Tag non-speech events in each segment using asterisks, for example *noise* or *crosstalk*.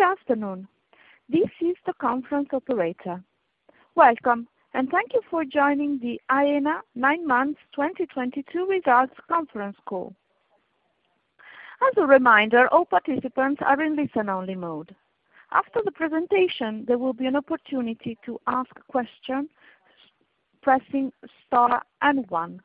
Good afternoon. This is the conference operator. Welcome, and thank you for joining the Aena nine months 2022 results conference call. As a reminder, all participants are in listen-only mode. After the presentation, there will be an opportunity to ask questions pressing star and one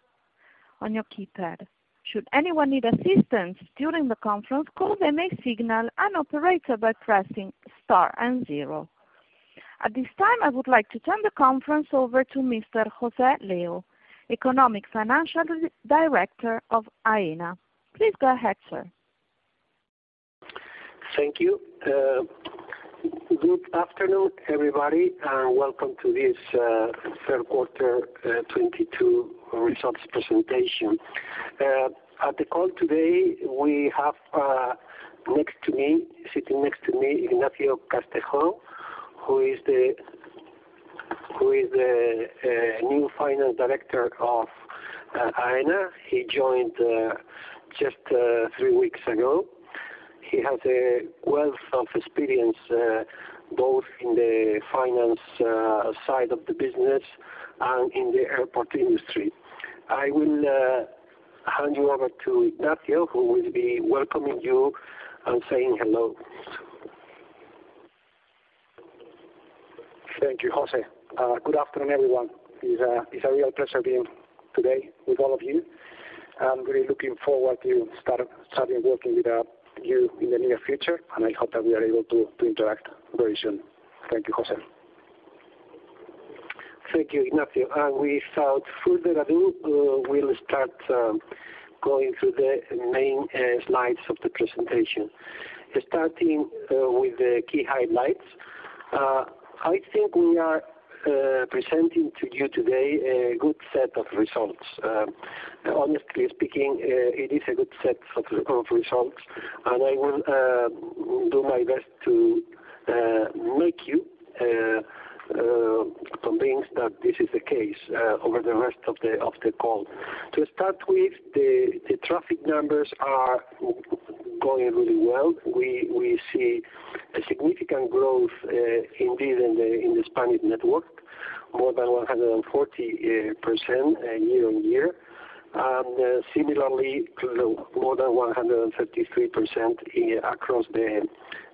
on your keypad. Should anyone need assistance during the conference call, they may signal an operator by pressing star and zero. At this time, I would like to turn the conference over to Mr. José Leo, Economic Financial Director of Aena. Please go ahead, sir. Thank you. Good afternoon, everybody, and welcome to this third quarter 2022 results presentation. At the call today we have sitting next to me Ignacio Castejón, who is the new Finance Director of Aena. He joined just three weeks ago. He has a wealth of experience both in the finance side of the business and in the airport industry. I will hand you over to Ignacio, who will be welcoming you and saying hello. Thank you, José. Good afternoon, everyone. It's a real pleasure being today with all of you. I'm really looking forward to starting working with you in the near future, and I hope that we are able to to interact very soon. Thank you, José. Thank you, Ignacio. Without further ado, we'll start going through the main slides of the presentation. Starting with the key highlights, I think we are presenting to you today a good set of results. Honestly speaking, it is a good set of results, and I will do my best to make you convinced that this is the case over the rest of the call. To start with, the traffic numbers are going really well. We see a significant growth indeed in the Spanish network, more than 140% year-on-year. Similarly, more than 133% across the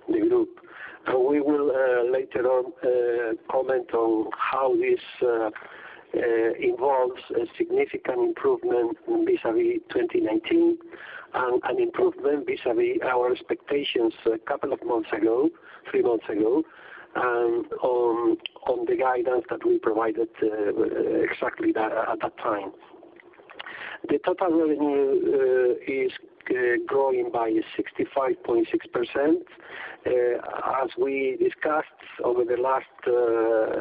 group. We will later on comment on how this involves a significant improvement vis-a-vis 2019 and an improvement vis-a-vis our expectations a couple of months ago, three months ago, and on the guidance that we provided exactly that, at that time. The total revenue is growing by 65.6%. As we discussed over the last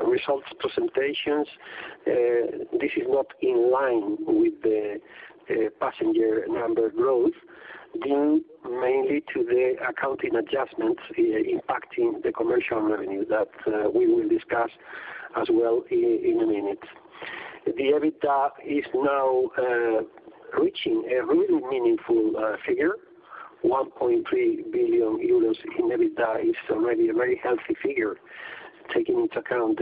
results presentations, this is not in line with the passenger number growth, due mainly to the accounting adjustments impacting the commercial revenue that we will discuss as well in a minute. The EBITDA is now reaching a really meaningful figure. 1.3 billion euros in EBITDA is already a very healthy figure, taking into account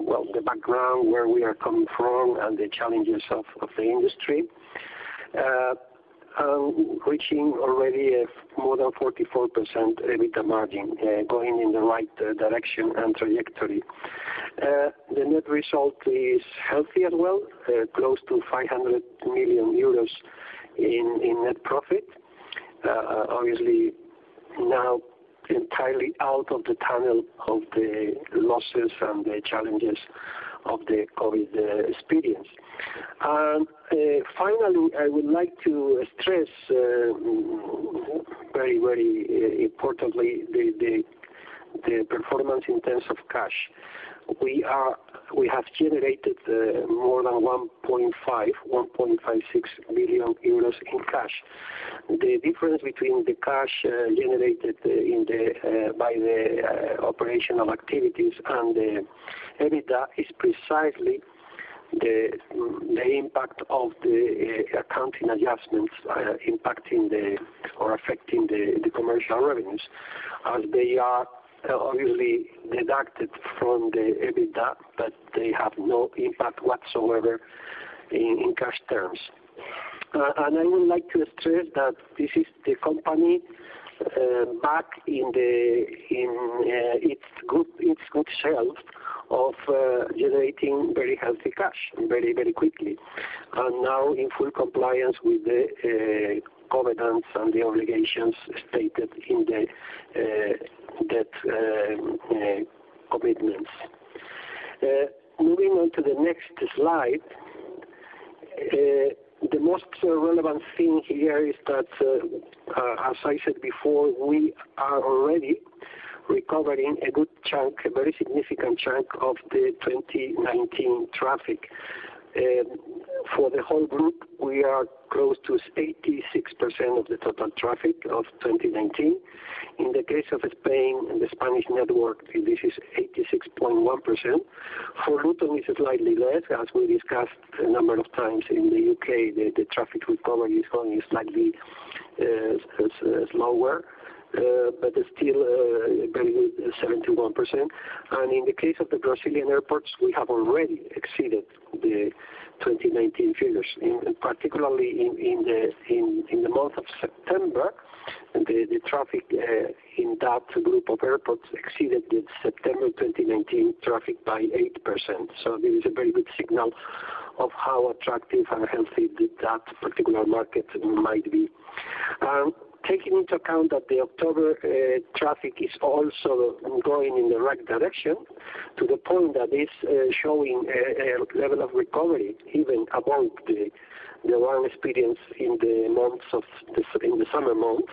well the background where we are coming from and the challenges of the industry, reaching already a more than 44% EBITDA margin, going in the right direction and trajectory. The net result is healthy as well, close to 500 million euros in net profit. Obviously now entirely out of the tunnel of the losses and the challenges of the COVID experience. Finally, I would like to stress very, very importantly the performance in terms of cash. We have generated more than 1.56 billion euros in cash. The difference between the cash generated by the operational activities and the EBITDA is precisely the impact of the accounting adjustments impacting or affecting the commercial revenues, and they are obviously deducted from the EBITDA, but they have no impact whatsoever in cash terms. I would like to stress that this is the company back in its group, its good self of generating very healthy cash very quickly, and now in full compliance with the covenants and the obligations stated in the debt commitments. Moving on to the next slide. The most relevant thing here is that as I said before, we are already recovering a good chunk, a very significant chunk of the 2019 traffic. For the whole group, we are close to 86% of the total traffic of 2019. In the case of Spain and the Spanish network, this is 86.1%. For Luton is slightly less, as we discussed a number of times in the U.K., the traffic recovery is going slightly slower, but it's still very good at 71%. In the case of the Brazilian airports, we have already exceeded the 2019 figures, particularly in the month of September, the traffic in that group of airports exceeded the September 2019 traffic by 8%. This is a very good signal of how attractive and healthy that particular market might be. Taking into account that the October traffic is also going in the right direction, to the point that it's showing a level of recovery even above the one experienced in the summer months,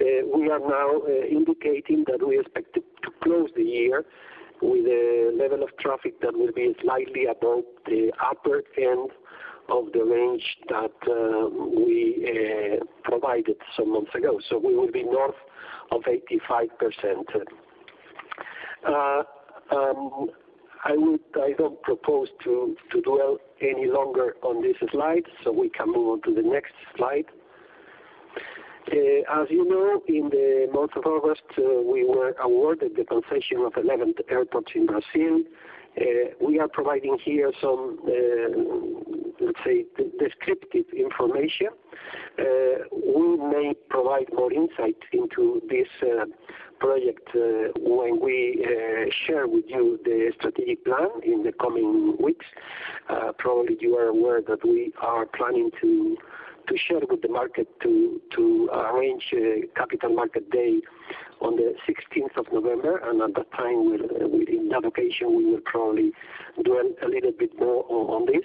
we are now indicating that we expect it to close the year with a level of traffic that will be slightly above the upper end of the range that we provided some months ago. We will be north of 85%. I don't propose to dwell any longer on this slide, so we can move on to the next slide. As you know, in the month of August, we were awarded the concession of 11 airports in Brazil. We are providing here some, let's say, descriptive information. We may provide more insight into this project when we share with you the strategic plan in the coming weeks. Probably you are aware that we are planning to share with the market to arrange a capital market day on the sixteenth of November, and at that time, in that occasion, we will probably dwell a little bit more on this.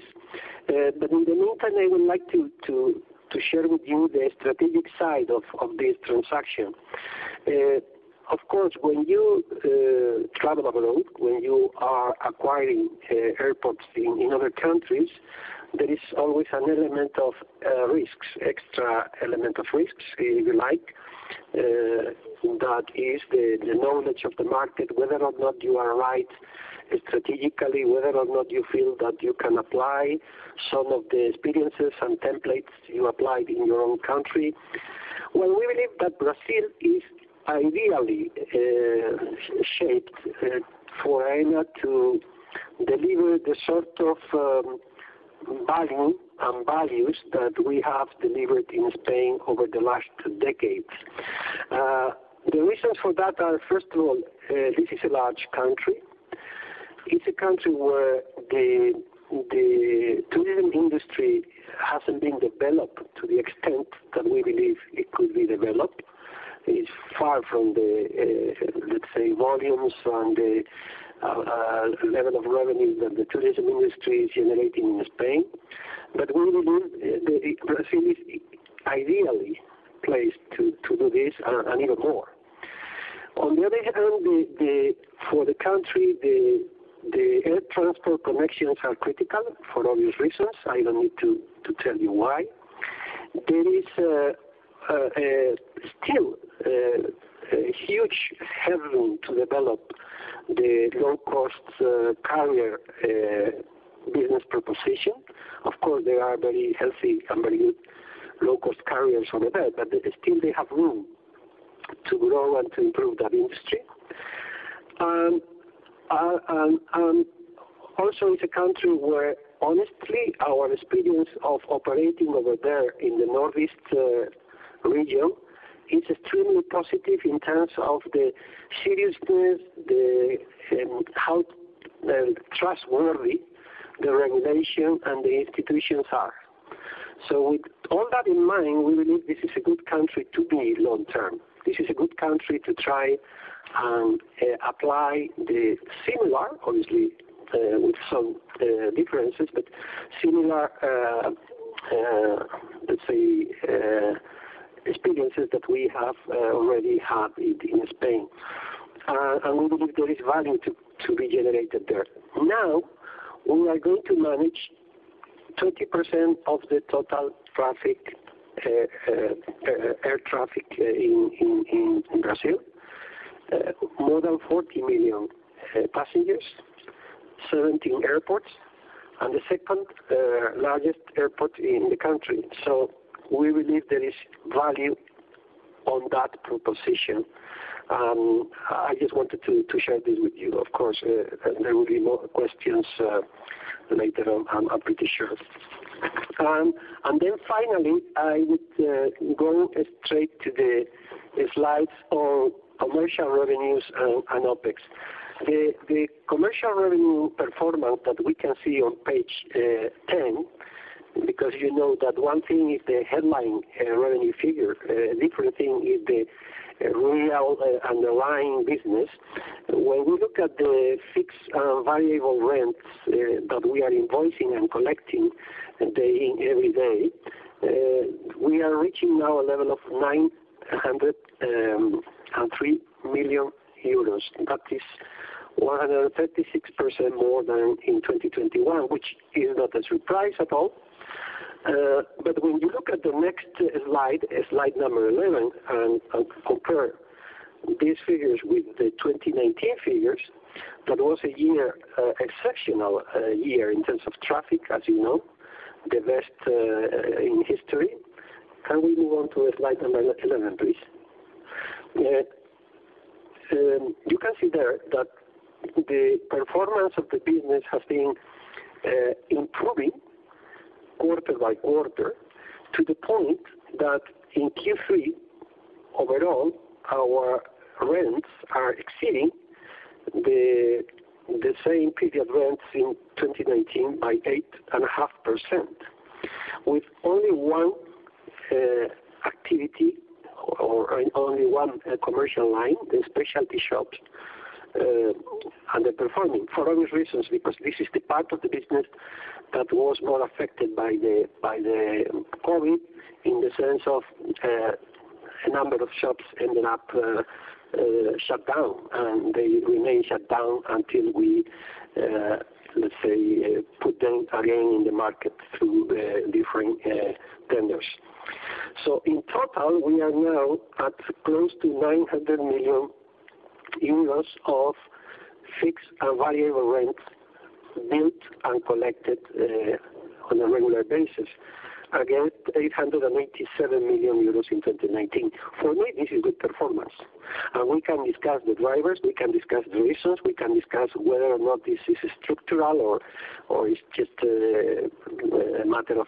In the meantime, I would like to share with you the strategic side of this transaction. Of course, when you travel abroad, when you are acquiring airports in other countries, there is always an element of risks, extra element of risks, if you like, that is the knowledge of the market, whether or not you are right strategically, whether or not you feel that you can apply some of the experiences and templates you applied in your own country. Well, we believe that Brazil is ideally shaped for Aena to deliver the sort of value and values that we have delivered in Spain over the last decades. The reasons for that are, first of all, this is a large country. It's a country where the tourism industry hasn't been developed to the extent that we believe it could be developed. It's far from the, let's say, volumes and the level of revenues that the tourism industry is generating in Spain. We believe Brazil is ideally placed to do this and even more. On the other hand, for the country, the air transport connections are critical for obvious reasons. I don't need to tell you why. There is still a huge headroom to develop the low-cost carrier business proposition. Of course, there are very healthy and very good low-cost carriers over there, but still they have room to grow and to improve that industry. Also it's a country where honestly, our experience of operating over there in the Northeast region is extremely positive in terms of the seriousness, how trustworthy the regulation and the institutions are. With all that in mind, we believe this is a good country to be long term. This is a good country to try and apply the similar, obviously, with some differences, but similar, let's say, experiences that we have already had in Spain. We believe there is value to be generated there. Now, we are going to manage 20% of the total traffic, air traffic in Brazil, more than 40 million passengers, 17 airports, and the second largest airport in the country. We believe there is value on that proposition. I just wanted to share this with you. Of course, there will be more questions later on, I'm pretty sure. Finally, I would go straight to the slides on commercial revenues and OpEx. The commercial revenue performance that we can see on page 10, because you know that one thing is the headline revenue figure, a different thing is the real underlying business. When we look at the fixed and variable rents that we are invoicing and collecting day in, day out, we are reaching now a level of 903 million euros. That is 136% more than in 2021, which is not a surprise at all. When you look at the next slide, it's slide number 11, and compare these figures with the 2019 figures, that was an exceptional year in terms of traffic, as you know, the best in history. Can we move on to slide number 11, please? You can see there that the performance of the business has been improving quarter by quarter, to the point that in Q3, overall, our rents are exceeding the same period rents in 2019 by 8.5%, with only one activity and only one commercial line, the specialty shops, underperforming for obvious reasons, because this is the part of the business that was more affected by the COVID in the sense of a number of shops ending up shut down, and they remain shut down until we let's say, put them again in the market through the different tenders. In total, we are now at close to 900 million euros of fixed and variable rent built and collected on a regular basis. Again, 887 million euros in 2019. For me, this is good performance. We can discuss the drivers, we can discuss the reasons, we can discuss whether or not this is structural or it's just a matter of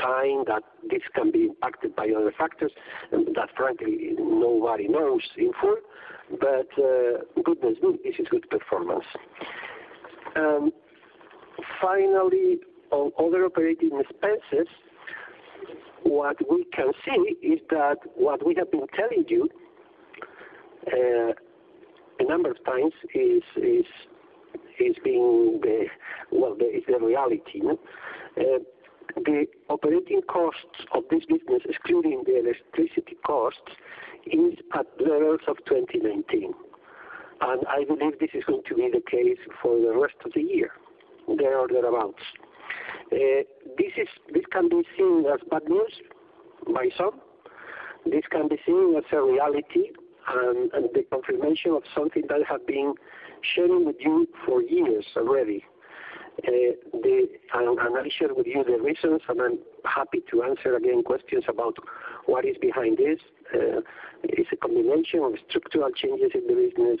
time that this can be impacted by other factors, and that frankly, nobody knows in full. Goodness me, this is good performance. Finally, on other operating expenses, what we can see is that what we have been telling you a number of times is the reality, no? The operating costs of this business, excluding the electricity costs, is at the levels of 2019, and I believe this is going to be the case for the rest of the year. They are the amounts. This can be seen as bad news by some. This can be seen as a reality, and the confirmation of something that I have been sharing with you for years already. I shared with you the reasons, and I'm happy to answer again questions about what is behind this. It's a combination of structural changes in the business.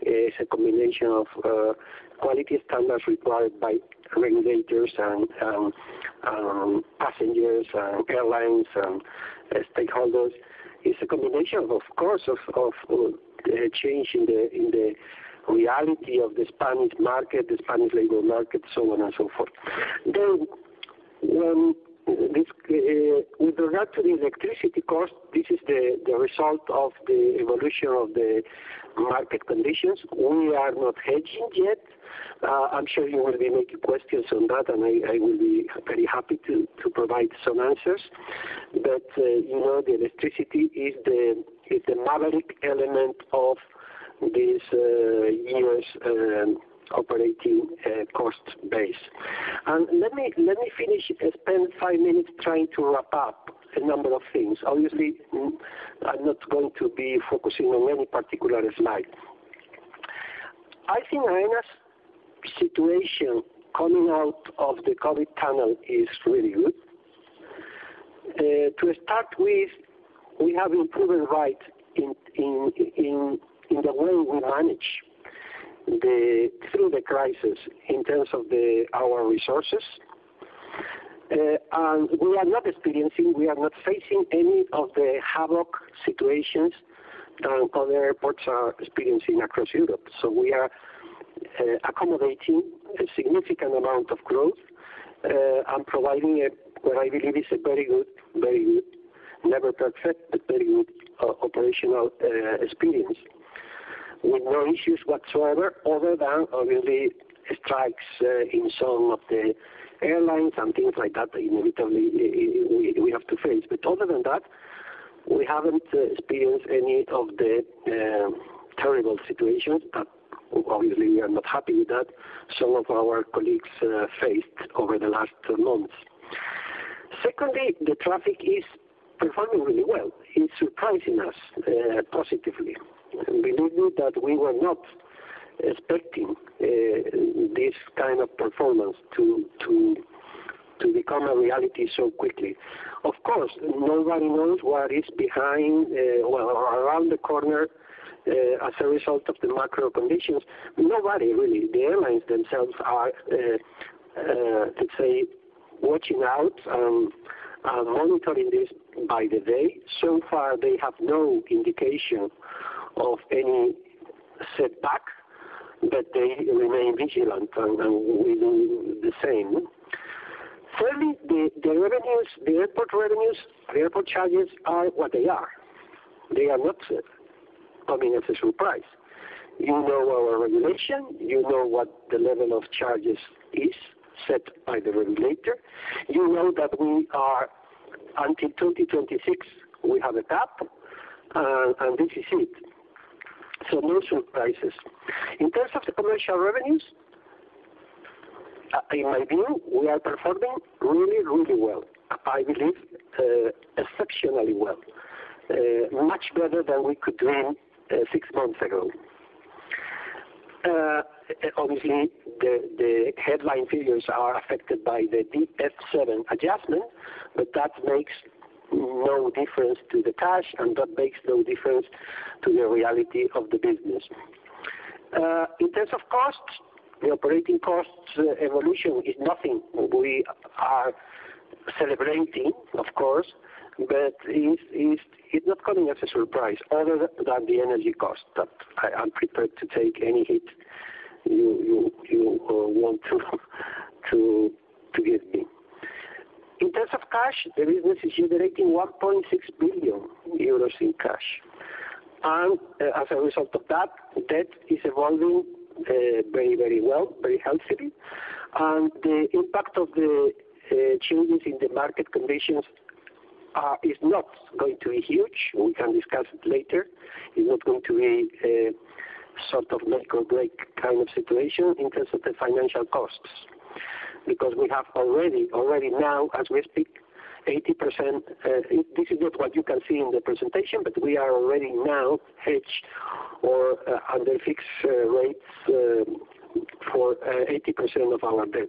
It's a combination of quality standards required by regulators and passengers and airlines and stakeholders. It's a combination, of course, of change in the reality of the Spanish market, the Spanish labor market, so on and so forth. This, with regard to the electricity cost, this is the result of the evolution of the market conditions. We are not hedging yet. I'm sure you will be asking questions on that, and I will be very happy to provide some answers. You know, the electricity is the maverick element of this year's operating cost base. Let me finish and spend five minutes trying to wrap up a number of things. Obviously, I'm not going to be focusing on any particular slide. I think Aena's situation coming out of the COVID tunnel is really good. To start with, we have improved right in the way we manage through the crisis in terms of our resources. We are not experiencing, we are not facing any of the havoc situations that other airports are experiencing across Europe. We are accommodating a significant amount of growth and providing what I believe is a very good, never perfect, but very good operational experience with no issues whatsoever other than obviously strikes in some of the airlines and things like that inevitably we have to face. Other than that, we haven't experienced any of the terrible situations, but obviously we are not happy with that some of our colleagues faced over the last months. Secondly, the traffic is performing really well. It's surprising us positively. Believe me that we were not expecting this kind of performance to become a reality so quickly. Of course, nobody knows what is behind well or around the corner as a result of the macro conditions. Nobody really, the airlines themselves are, let's say, watching out and monitoring this by the day. So far, they have no indication of any setback, but they remain vigilant, and we do the same. Thirdly, the revenues, the airport revenues, the airport charges are what they are. They are not coming as a surprise. You know our regulation. You know what the level of charges is set by the regulator. You know that we are until 2026, we have a cap, and this is it. No surprises. In terms of the commercial revenues, in my view, we are performing really, really well. I believe exceptionally well. Much better than we could dream six months ago. Obviously, the headline figures are affected by the DF7 adjustment, but that makes no difference to the cash, and that makes no difference to the reality of the business. In terms of costs, the operating costs evolution is nothing we are celebrating, of course, but it's not coming as a surprise other than the energy cost that I'm prepared to take any hit you want to give me. In terms of cash, the business is generating 1.6 billion euros in cash. As a result of that, debt is evolving very well, very healthily. The impact of the changes in the market conditions is not going to be huge. We can discuss it later. It's not going to be a sort of make or break kind of situation in terms of the financial costs. Because we have already now, as we speak, 80%, this is not what you can see in the presentation, but we are already now hedged or under fixed rates, for 80% of our debt.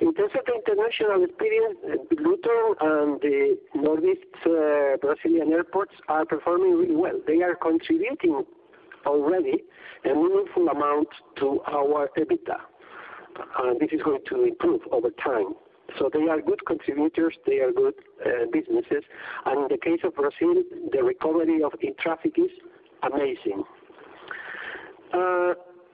In terms of the international expansion, Luton and the Northeast Brazilian airports are performing really well. They are contributing already a meaningful amount to our EBITDA. This is going to improve over time. They are good contributors, they are good businesses. In the case of Brazil, the recovery of air traffic is amazing.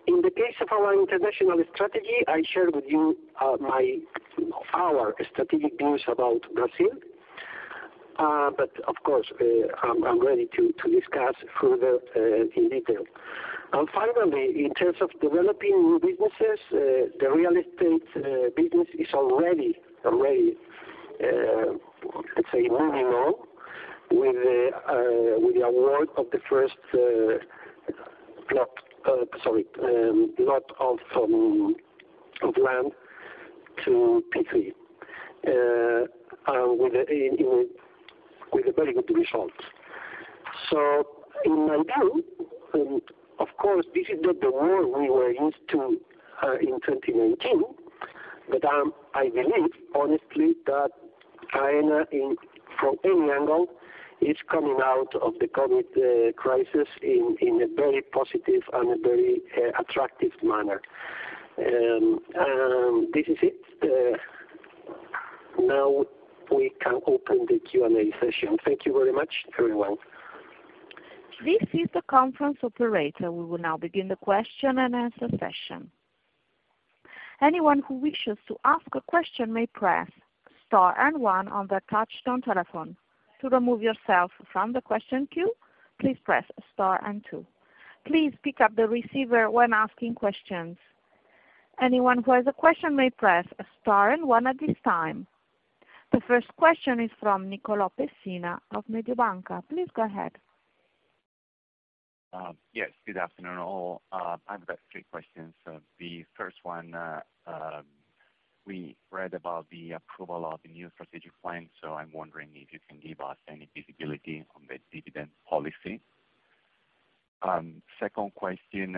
In the case of our international strategy, I share with you our strategic views about Brazil. Of course, I'm ready to discuss further in detail. Finally, in terms of developing new businesses, the real estate business is already, let's say, moving on with the award of the first plot of land to P3 and with a very good results. In my view, of course, this is not the world we were used to in 2019, but I believe, honestly, that Aena from any angle is coming out of the COVID crisis in a very positive and a very attractive manner. This is it. Now we can open the Q&A session. Thank you very much, everyone. This is the conference operator. We will now begin the question-and-answer session. Anyone who wishes to ask a question may press star and one on their touchtone telephone. To remove yourself from the question queue, please press star and two. Please pick up the receiver when asking questions. Anyone who has a question may press star and one at this time. The first question is from Nicolò Pessina of Mediobanca. Please go ahead. Yes, good afternoon, all. I've got three questions. The first one, we read about the approval of the new strategic plan, so I'm wondering if you can give us any visibility on the dividend policy. Second question,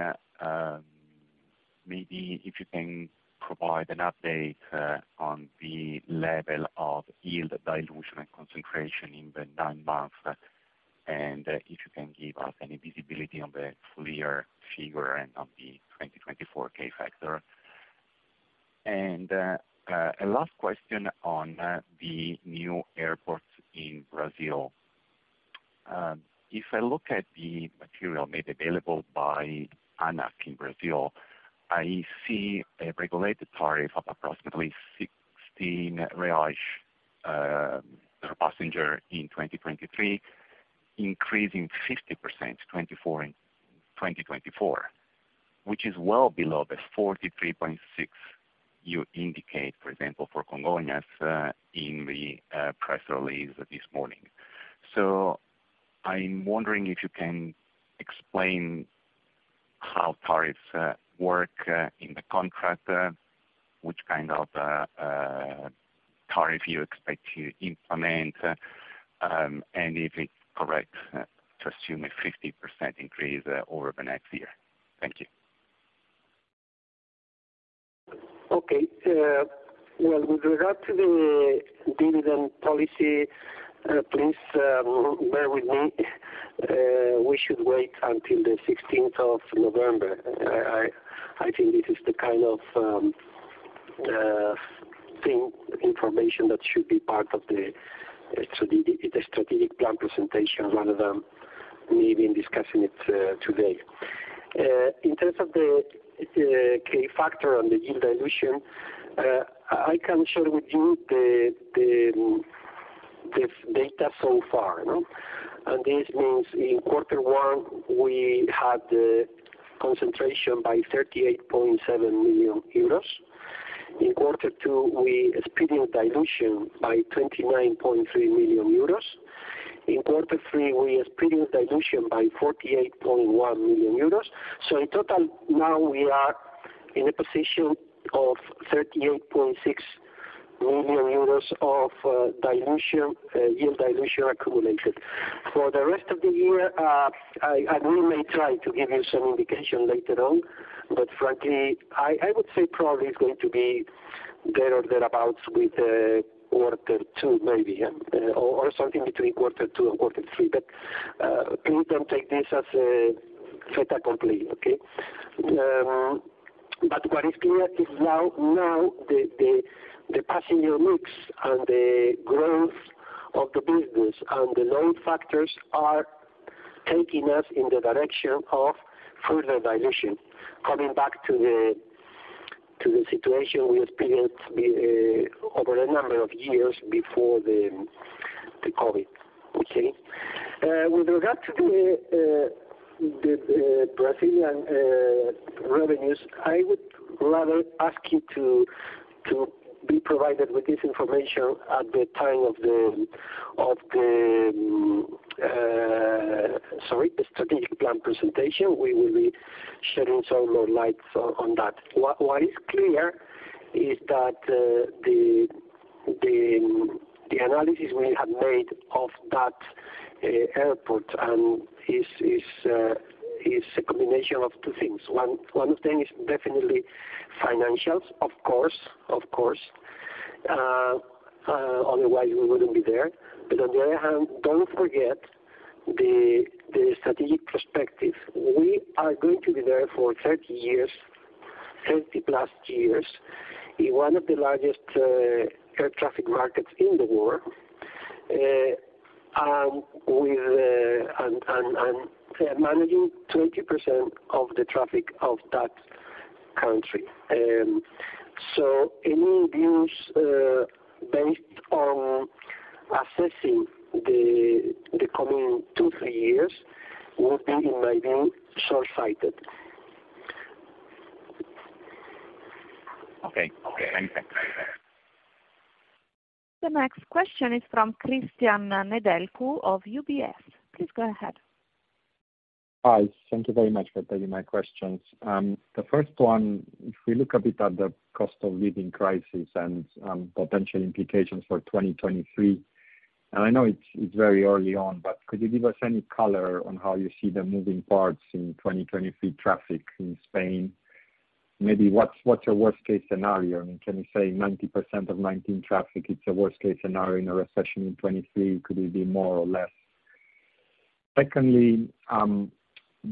maybe if you can provide an update on the level of yield dilution and concentration in the nine months, and if you can give us any visibility on the full year figure and on the 2024 K-factor. A last question on the new airports in Brazil. If I look at the material made available by ANAC in Brazil, I see a regulated tariff of approximately 16 per passenger in 2023, increasing 50% in 2024, which is well below the 43.6 you indicate, for example, for Congonhas, in the press release this morning. I'm wondering if you can explain how tariffs work in the contract, which kind of tariff you expect to implement, and if it's correct to assume a 50% increase over the next year. Thank you. Okay. Well, with regard to the dividend policy, please bear with me. We should wait until the 16th of November. I think this is the kind of thing information that should be part of the strategic plan presentation rather than me discussing it today. In terms of the K-factor on the yield dilution, I can share with you the data so far, you know? This means in quarter one, we had the concentration by 38.7 million euros. In quarter two, we experienced dilution by 29.3 million euros. In quarter three, we experienced dilution by 48.1 million euros. In total now we are in a position of 38.6 million euros of dilution, yield dilution accumulated. For the rest of the year, we may try to give you some indication later on, but frankly, I would say probably it's going to be there or thereabouts with quarter two maybe, yeah, or something between quarter two and quarter three. Please don't take this as a fait accompli, okay? What is clear is now the passenger mix and the growth of the business and the load factors are taking us in the direction of further dilution, coming back to the situation we experienced over a number of years before the COVID. Okay? With regard to the Brazilian revenues, I would rather ask you to be provided with this information at the time of the. Sorry, the strategic plan presentation, we will be shedding some more light on that. What is clear is that the analysis we have made of that airport, and is a combination of two things. One of them is definitely financials, of course. Otherwise we wouldn't be there. On the other hand, don't forget the strategic perspective. We are going to be there for 30 years, 30+ years, in one of the largest air traffic markets in the world, and managing 20% of the traffic of that country. Any views based on assessing the coming two, three years would be, in my view, short-sighted. Okay. Thank you. The next question is from Cristian Nedelcu of UBS. Please go ahead. Hi. Thank you very much for taking my questions. The first one, if we look a bit at the cost of living crisis and potential implications for 2023, and I know it's very early on, but could you give us any color on how you see the moving parts in 2023 traffic in Spain? Maybe what's your worst case scenario? I mean, can you say 90% of 2019 traffic, it's a worst case scenario in a recession in 2023? Could it be more or less? Secondly,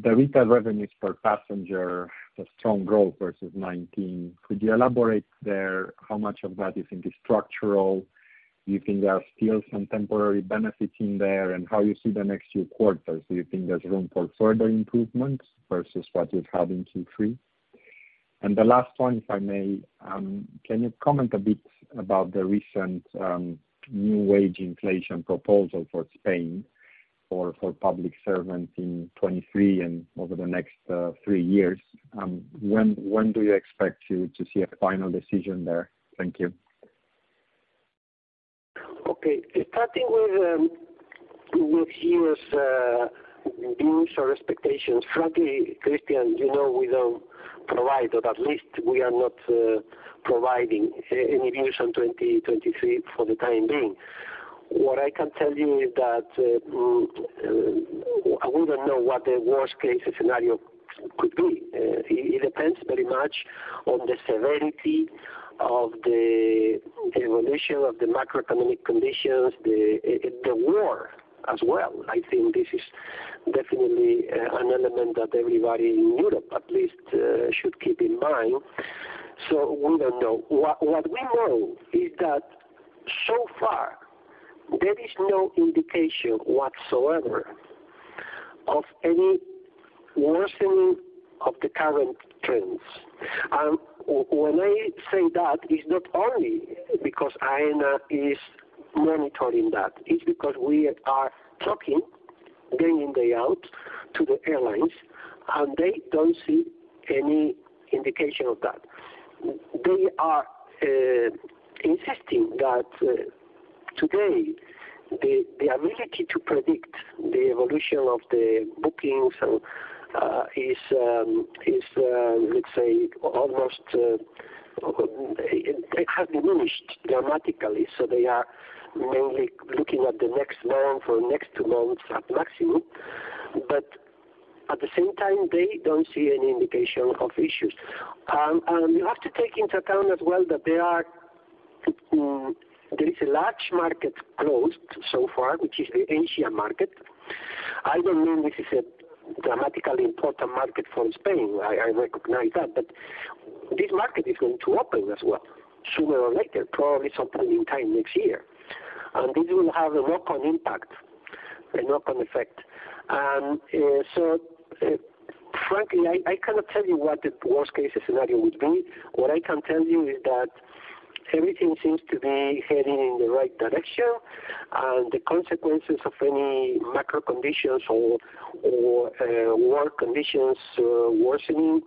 the retail revenues per passenger, the strong growth versus 2019, could you elaborate there how much of that you think is structural? You think there are still some temporary benefits in there? And how you see the next few quarters, do you think there's room for further improvements versus what you've had in Q3? The last one, if I may, can you comment a bit about the recent new wage inflation proposal for Spain for public servants in 2023 and over the next three years? When do you expect to see a final decision there? Thank you. Okay. Starting with views or expectations, frankly, Cristian, you know we don't provide, or at least we are not providing any views on 2023 for the time being. What I can tell you is that I wouldn't know what the worst case scenario could be. It depends very much on the severity of the evolution of the macroeconomic conditions, the war as well. I think this is definitely an element that everybody in Europe at least should keep in mind. We don't know. What we know is that so far there is no indication whatsoever of any worsening of the current trends. When I say that, it's not only because Aena is monitoring that, it's because we are talking day in, day out to the airlines, and they don't see any indication of that. They are insisting that today the ability to predict the evolution of the bookings is, let's say almost, it has diminished dramatically, so they are mainly looking at the next month or next two months at maximum. At the same time, they don't see any indication of issues. You have to take into account as well that there is a large market closed so far, which is the Asia market. I don't mean this is a dramatically important market for Spain. I recognize that. This market is going to open as well sooner or later, probably some point in time next year, and this will have a knock-on impact, a knock-on effect. Frankly, I cannot tell you what the worst case scenario would be. What I can tell you is that everything seems to be heading in the right direction, and the consequences of any macro conditions or work conditions worsening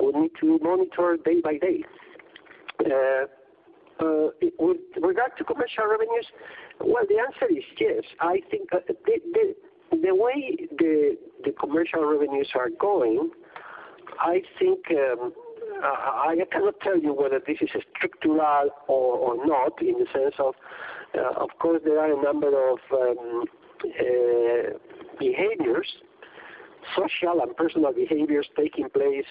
we need to monitor day by day. With regard to commercial revenues, well, the answer is yes. I think the way the commercial revenues are going, I think I cannot tell you whether this is structural or not, in the sense of of course, there are a number of behaviors, social and personal behaviors taking place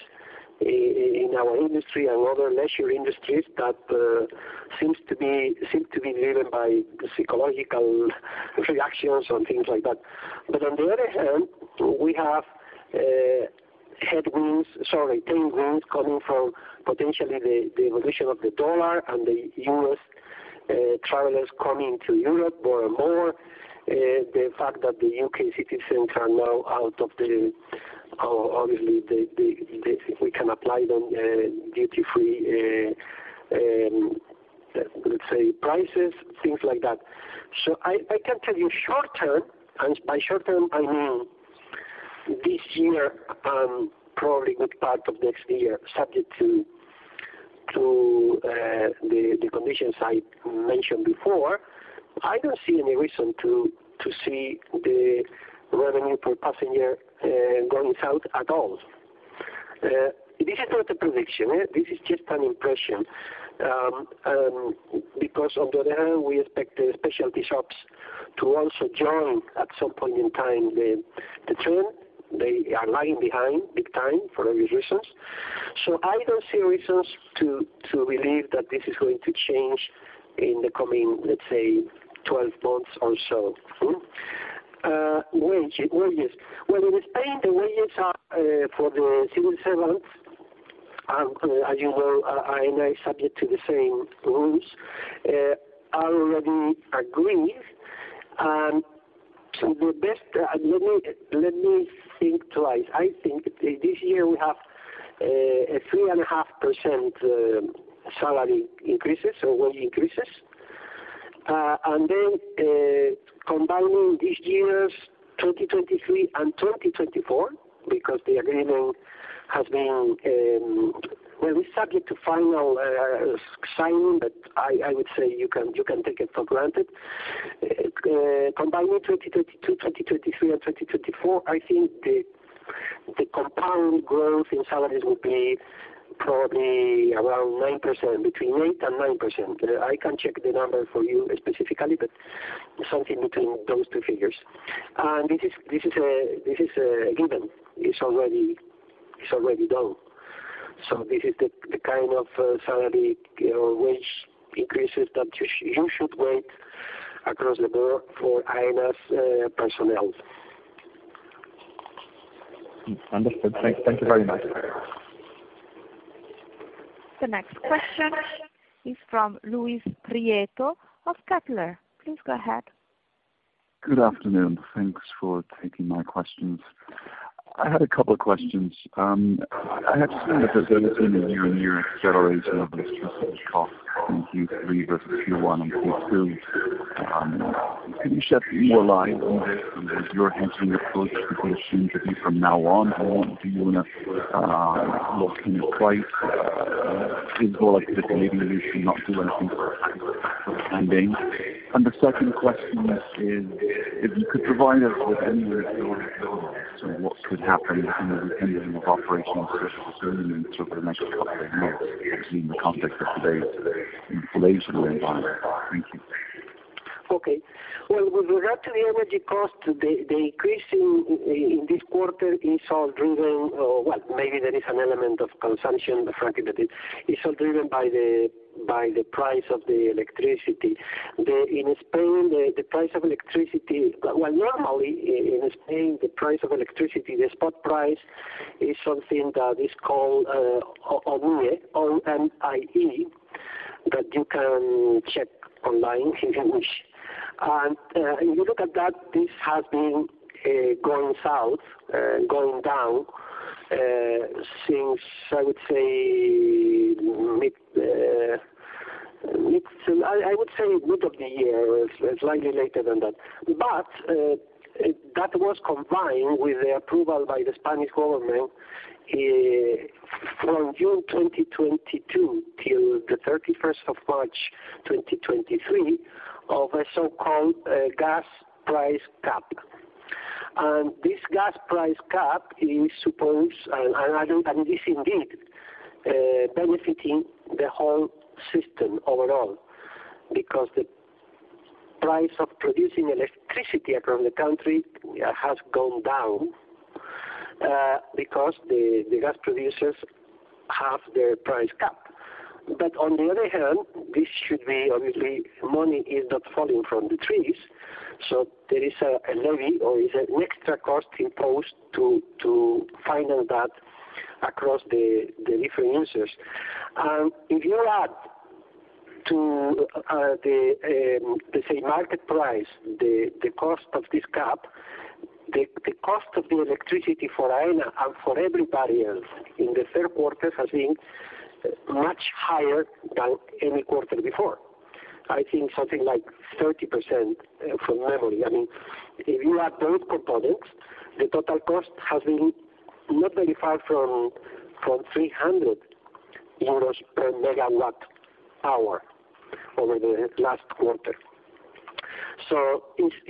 in our industry and other leisure industries that seem to be driven by psychological reactions and things like that. On the other hand, we have tailwinds coming from potentially the evolution of the U.S. dollar and the U.S. travelers coming to Europe more and more. The fact that the U.K. citizens are now out of the EU or obviously we can apply them duty-free, let's say prices, things like that. I can tell you short term, and by short term I mean this year and probably good part of next year, subject to the conditions I mentioned before, I don't see any reason to see the revenue per passenger going south at all. This is not a prediction. This is just an impression. Because on the other hand, we expect the specialty shops to also join at some point in time, the trend. They are lagging behind big time for obvious reasons. So I don't see reasons to believe that this is going to change in the coming, let's say, 12 months or so. Wages. Well, in Spain, the wages are for the civil servants, and as you know, Aena is subject to the same rules, are already agreed. The best. Let me think twice. I think this year we have a 3.5% salary increases or wage increases. Combining this year's 2023 and 2024, because the agreement has been well, it's subject to final signing, but I would say you can take it for granted. Combining 2022, 2023 and 2024, I think the compound growth in salaries will be probably around 9%, between 8% and 9%. I can check the number for you specifically, but something between those two figures. This is a given. It's already done. This is the kind of salary or wage increases that you should expect across the board for Aena's personnel. Understood. Thank you very much. The next question is from Luis Prieto of Kepler. Please go ahead. Good afternoon. Thanks for taking my questions. I had a couple of questions. I had just noticed there's been a year-on-year acceleration of extra costs in Q3 versus Q1 and Q2. Could you shed more light on this and your hedging approach, because it seems that from now on, you wanna lock in your price, it is more likely that maybe you should not do anything for pending. The second question is if you could provide us with any visibility on, sort of what could happen in the reopening of operations during the international couple of months in the context of today's inflationary environment. Thank you. Well, with regard to the energy cost, the increase in this quarter is all driven. Well, maybe there is an element of consumption, frankly, but it's all driven by the price of the electricity. In Spain, the price of electricity. Well, normally in Spain, the price of electricity, the spot price is something that is called OMIE, O-M-I-E, that you can check online if you wish. If you look at that, this has been going south, going down since I would say mid of the year, slightly later than that. That was combined with the approval by the Spanish government from June 2022 till the 31st of March 2023, of a so-called gas price cap. This gas price cap is supposed and this indeed benefiting the whole system overall, because the price of producing electricity across the country has gone down because the gas producers have the price cap. On the other hand, this should be obviously money is not falling from the trees, so there is a levy or is an extra cost imposed to finance that across the different users. If you add to the say market price the cost of this cap. The cost of the electricity for Aena and for everybody else in the third quarter has been much higher than any quarter before. I think something like 30%, from memory. I mean, if you add those components, the total cost has been not very far from 300 euros per megawatt hour over the last quarter.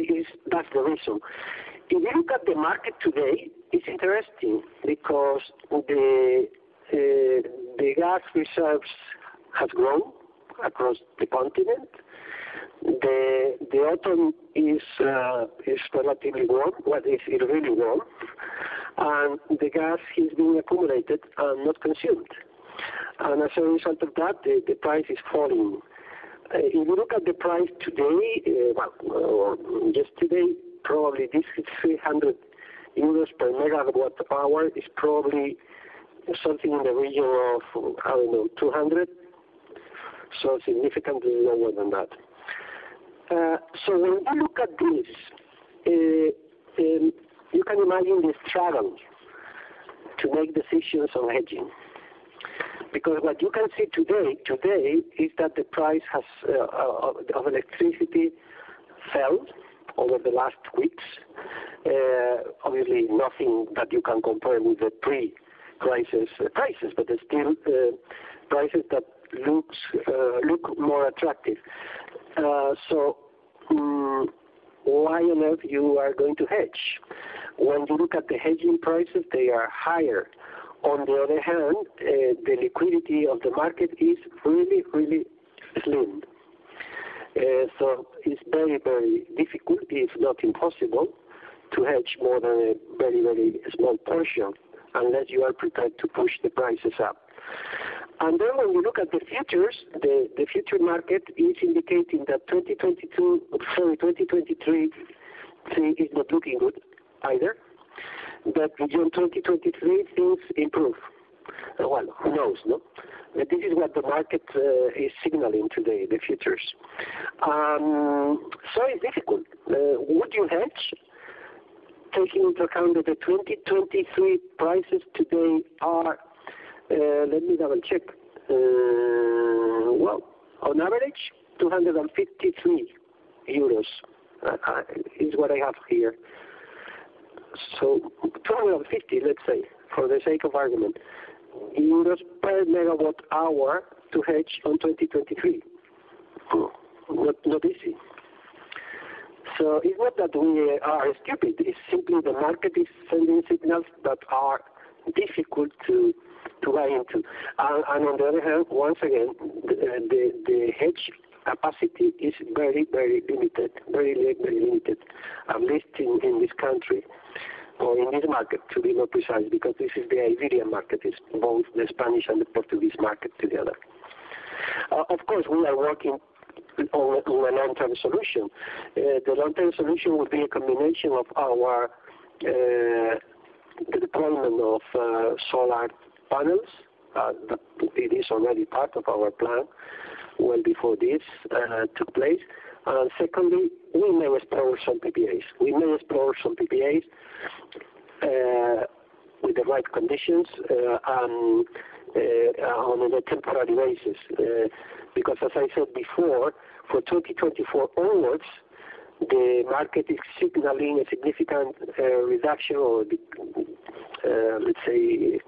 It is. That's the reason. If you look at the market today, it's interesting because the gas reserves have grown across the continent. The autumn is relatively warm, but it's really warm, and the gas is being accumulated and not consumed. As a result of that, the price is falling. If you look at the price today, well, or yesterday, probably this is 300 euros per megawatt of power, is probably something in the region of, I don't know, 200, so significantly lower than that. So when you look at this, you can imagine the struggle to make decisions on hedging. Because what you can see today is that the price of electricity fell over the last weeks. Obviously nothing that you can compare with the pre-crisis prices, but they're still prices that look more attractive. So why on earth are you going to hedge? When you look at the hedging prices, they are higher. On the other hand, the liquidity of the market is really slim. So it's very difficult, if not impossible, to hedge more than a very small portion unless you are prepared to push the prices up. Then when we look at the futures, the futures market is indicating that 2023 is not looking good either, but during 2023 things improve. Well, who knows, no? This is what the market is signaling today, the futures. It's difficult. Would you hedge taking into account that the 2023 prices today are, let me double-check. Well, on average, 253 euros is what I have here. 250, let's say, for the sake of argument, EUR 250 per megawatt hour to hedge on 2023. Not easy. It's not that we are stupid, it's simply the market is sending signals that are difficult to buy into. On the other hand, once again, the hedge capacity is very limited, at least in this country or in this market to be more precise, because this is the Iberian market, it's both the Spanish and the Portuguese market together. Of course, we are working on a long-term solution. The long-term solution would be a combination of the deployment of solar panels that it is already part of our plan well before this took place. Secondly, we may explore some PPAs. We may explore some PPA with the right conditions and on a temporary basis because as I said before, for 2024 onwards, the market is signaling a significant reduction or, let's say,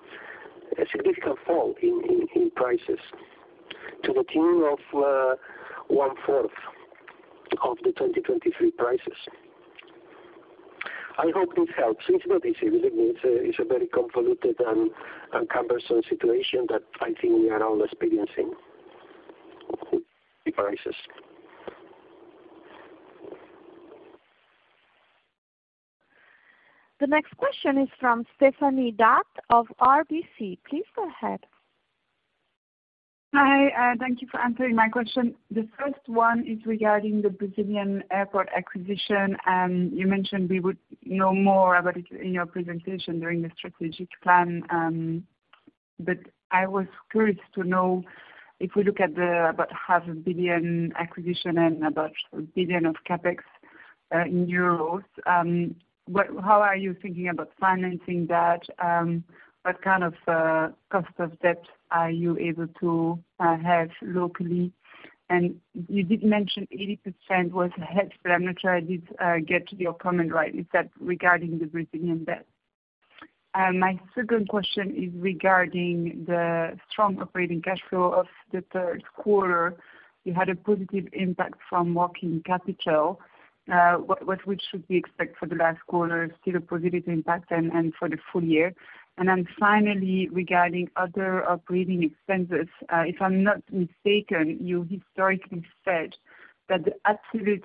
a significant fall in prices to the tune of one-fourth of the 2023 prices. I hope this helps. It's not easy. It's a very convoluted and cumbersome situation that I think we are all experiencing the crisis. The next question is from Stéphanie D'Ath of RBC. Please go ahead. Hi, thank you for answering my question. The first one is regarding the Brazilian airport acquisition. You mentioned we would know more about it in your presentation during the strategic plan. But I was curious to know if we look at the about 500 billion acquisition and about 1 billion of CapEx in euros, what, how are you thinking about financing that? What kind of cost of debt are you able to have locally? You did mention 80% was hedged, but I'm not sure I did get your comment right. Is that regarding the Brazilian debt? My second question is regarding the strong operating cash flow of the third quarter. You had a positive impact from working capital. What should we expect for the last quarter? Still a positive impact and for the full year? Then finally, regarding other operating expenses, if I'm not mistaken, you historically said that the absolute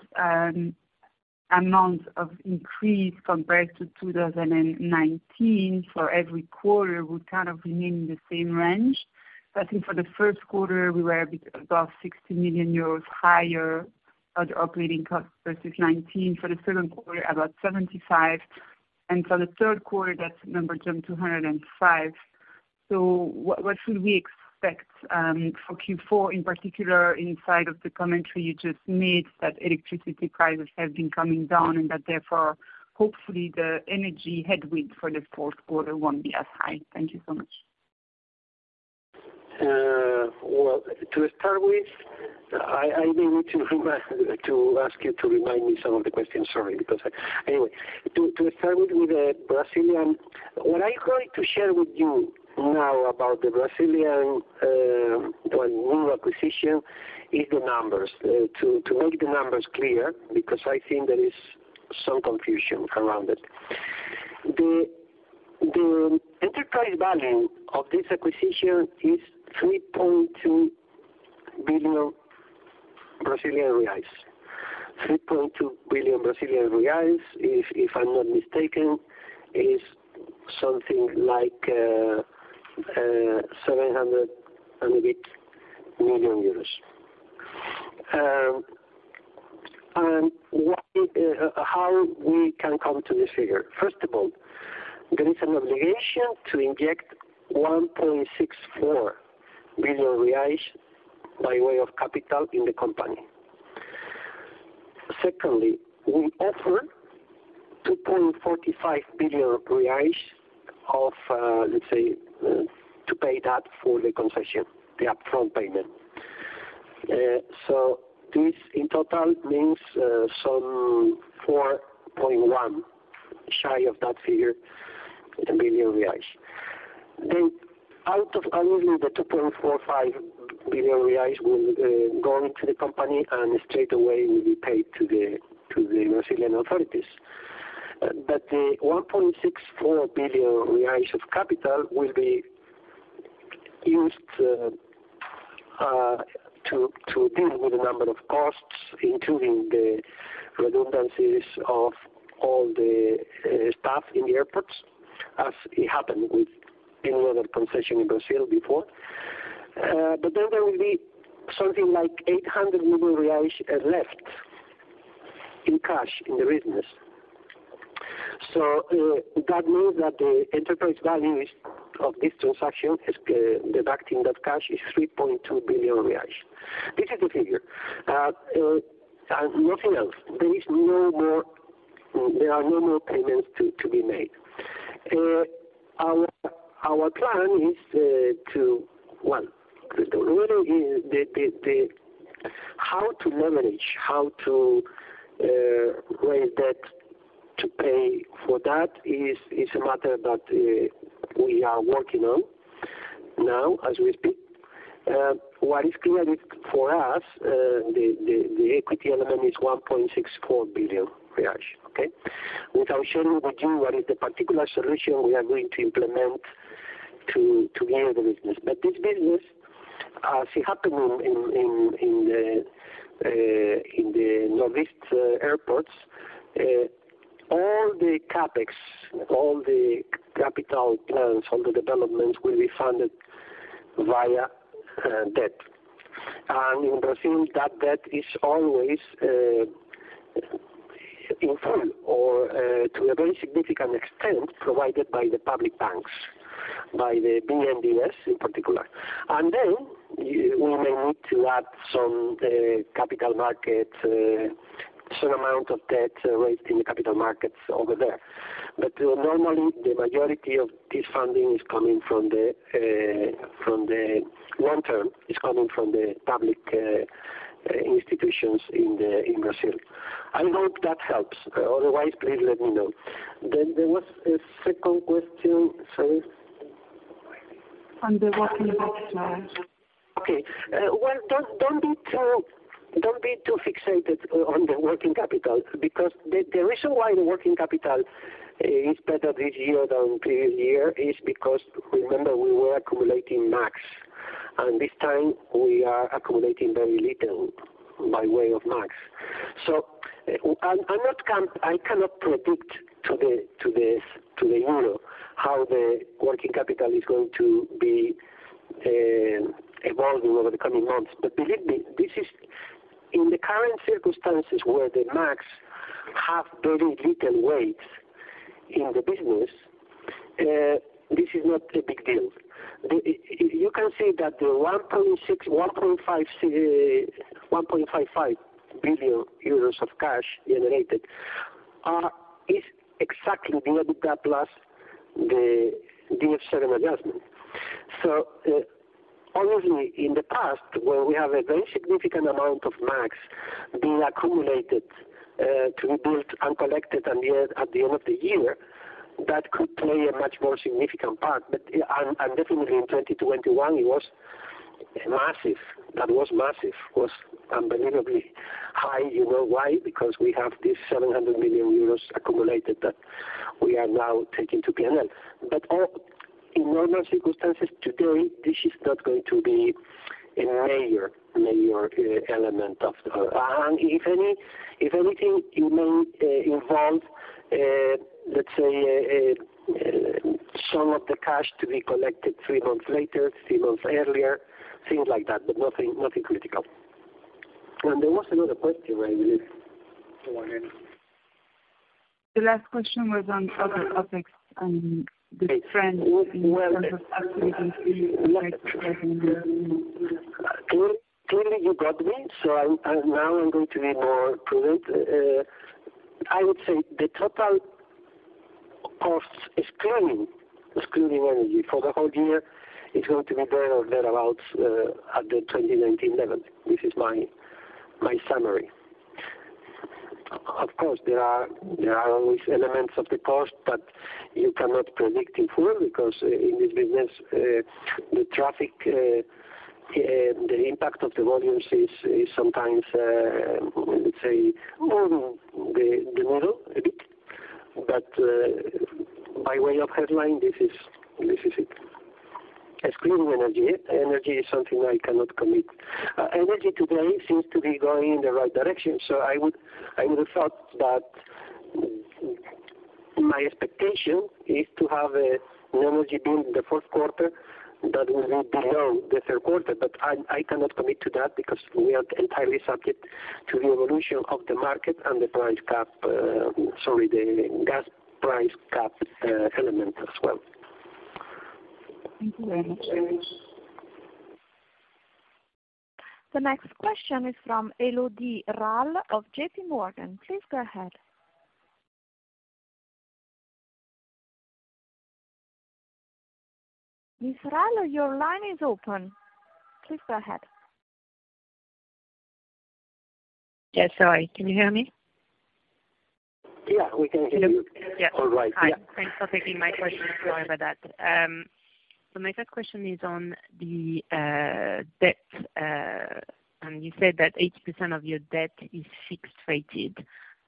amount of increase compared to 2019 for every quarter would kind of remain in the same range. I think for the first quarter, we were a bit above 60 million euros higher other operating costs versus 2019. For the second quarter, about 75 million. For the third quarter, that number jumped to 105 million. What should we expect for Q4 in particular inside of the commentary you just made, that electricity prices have been coming down and that therefore, hopefully, the energy headwind for the fourth quarter won't be as high? Thank you so much. Well, to start with, I may need to ask you to remind me of some of the questions. Sorry. Anyway, to start with the Brazilian, what I'm going to share with you now about the Brazilian new acquisition is the numbers to make the numbers clear, because I think there is some confusion around it. The enterprise value of this acquisition is 3.2 billion Brazilian reais. 3.2 billion Brazilian reais, if I'm not mistaken, is something like 700 million euros and a bit. How we can come to this figure? First of all, there is an obligation to inject 1.64 billion reais by way of capital in the company. Secondly, we offer 2.45 billion reais of, let's say, to pay that for the concession, the upfront payment. This in total means some 4.1 billion, shy of that figure, in a billion BRL. Out of only the 2.45 billion reais will go into the company and straight away will be paid to the Brazilian authorities. But the 1.64 billion reais of capital will be used to deal with a number of costs, including the redundancies of all the staff in the airports, as it happened with in other concession in Brazil before. But then there will be something like 800 million reais left in cash in the business. That means that the enterprise value of this transaction, deducting that cash, is 3.2 billion reais. This is the figure. Nothing else. There are no more payments to be made. Our plan is how to leverage, how to raise debt to pay for that. That is a matter that we are working on now as we speak. What is clear is for us, the equity element is 1.64 billion, okay? Without sharing with you what is the particular solution we are going to implement to gain the business. This business we see happening in the Northeast airports, all the CapEx, all the capital plans, all the developments will be funded via debt. In Brazil, that debt is always in full or to a very significant extent provided by the public banks, by the BNDES in particular. We may need to add some capital markets, some amount of debt raised in the capital markets over there. Normally, the majority of this funding is coming from the long-term public institutions in Brazil. I hope that helps. Otherwise, please let me know. There was a second question. Sorry. On the working capital. Don't be too fixated on the working capital, because the reason why the working capital is better this year than previous year is because remember, we were accumulating MAGs. This time we are accumulating very little by way of MAGs. So I cannot predict to the euro how the working capital is going to be evolving over the coming months. But believe me, this is in the current circumstances where the MAGs have very little weight in the business, this is not a big deal. You can see that the 1.55 billion euros of cash generated is exactly the EBITDA plus the DF7 adjustment. Obviously, in the past where we have a very significant amount of MAGs being accumulated to be built and collected at the end of the year, that could play a much more significant part. Definitely in 2021 it was massive. That was massive. It was unbelievably high. You know why? Because we have this 700 million euros accumulated that we are now taking to P&L. In normal circumstances today, this is not going to be a major element. If anything, it may involve, let's say, some of the cash to be collected three months later, three months earlier, things like that, but nothing critical. There was another question right here. Go ahead. The last question was on other topics and the trend in terms of *audio distortion* Well, clearly you got me. Now I'm going to be more prudent. I would say the total cost excluding energy for the whole year is going to be there or thereabouts at the 2019 level. This is my summary. Of course, there are always elements of the cost, but you cannot predict it well because in this business, the traffic, the impact of the volumes is sometimes, let's say, move the needle a bit. By way of headline, this is it. Excluding energy. Energy is something I cannot commit. Energy today seems to be going in the right direction. I would have thought that my expectation is to have an energy bill in the fourth quarter that will be below the third quarter. I cannot commit to that because we are entirely subject to the evolution of the market and the price cap, sorry, the gas price cap, element as well. Thank you very much. The next question is from Elodie Rall of JP Morgan. Please go ahead. Miss Rall, your line is open. Please go ahead. Yes, sorry. Can you hear me? Yeah, we can hear you. Yes. All right. Yeah. Hi. Thanks for taking my question. Sorry about that. My first question is on the debt. You said that 80% of your debt is fixed-rate.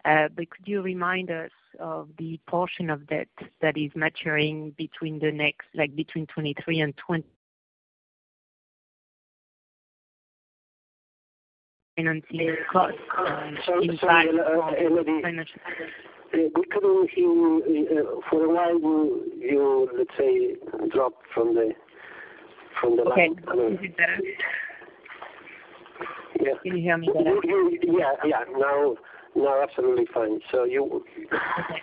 Could you remind us of the portion of debt that is maturing between the next, like between 2023 and *audio distortion* cost and impact on the financial side. Sorry, Elodie. We cannot hear you. For a while, you, let's say, dropped from the line. Okay. Is it better? Yeah. Can you hear me better? Yeah. Now absolutely fine.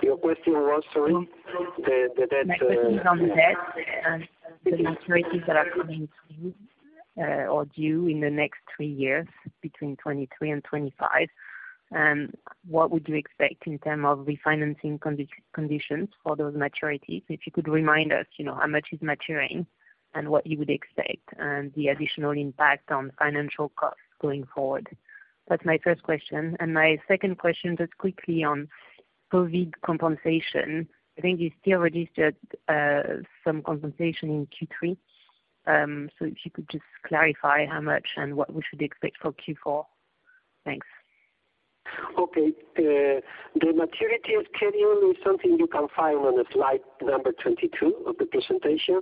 Your question was, sorry, the debt. My question is on the debt and the maturities that are due in the next three years, between 2023 and 2025. What would you expect in terms of refinancing conditions for those maturities? If you could remind us, you know, how much is maturing and what you would expect, and the additional impact on financial costs going forward. That's my first question. My second question just quickly on COVID compensation. I think you still released some compensation in Q3. So if you could just clarify how much and what we should expect for Q4. Thanks. Okay. The maturity schedule is something you can find on slide number 22 of the presentation.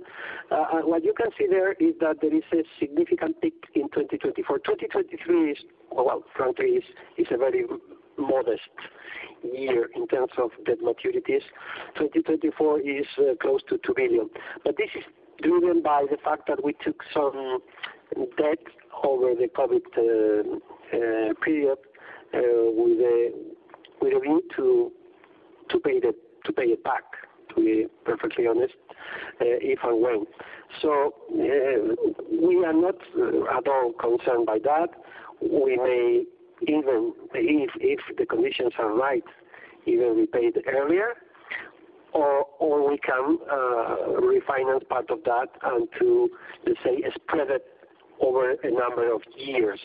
What you can see there is that there is a significant peak in 2024. 2023 is, well, frankly, a very modest year in terms of debt maturities. 2024 is close to 2 billion. This is driven by the fact that we took some debt over the COVID period. We agreed to pay it back, to be perfectly honest, if and when. We are not at all concerned by that. We may even, if the conditions are right, even repay it earlier or we can refinance part of that and, let's say, spread it over a number of years.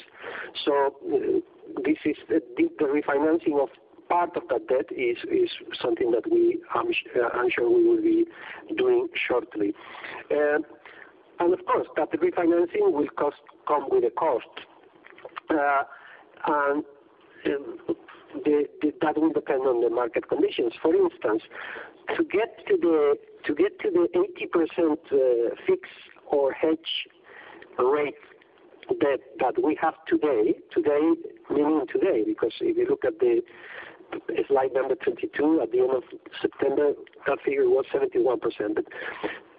This is the refinancing of part of that debt is something that I'm sure we will be doing shortly. Of course, that refinancing will come with a cost. That will depend on the market conditions. For instance, to get to the 80% fixed or hedged rate that we have today, meaning today, because if you look at the slide number 22, at the end of September, that figure was 71%.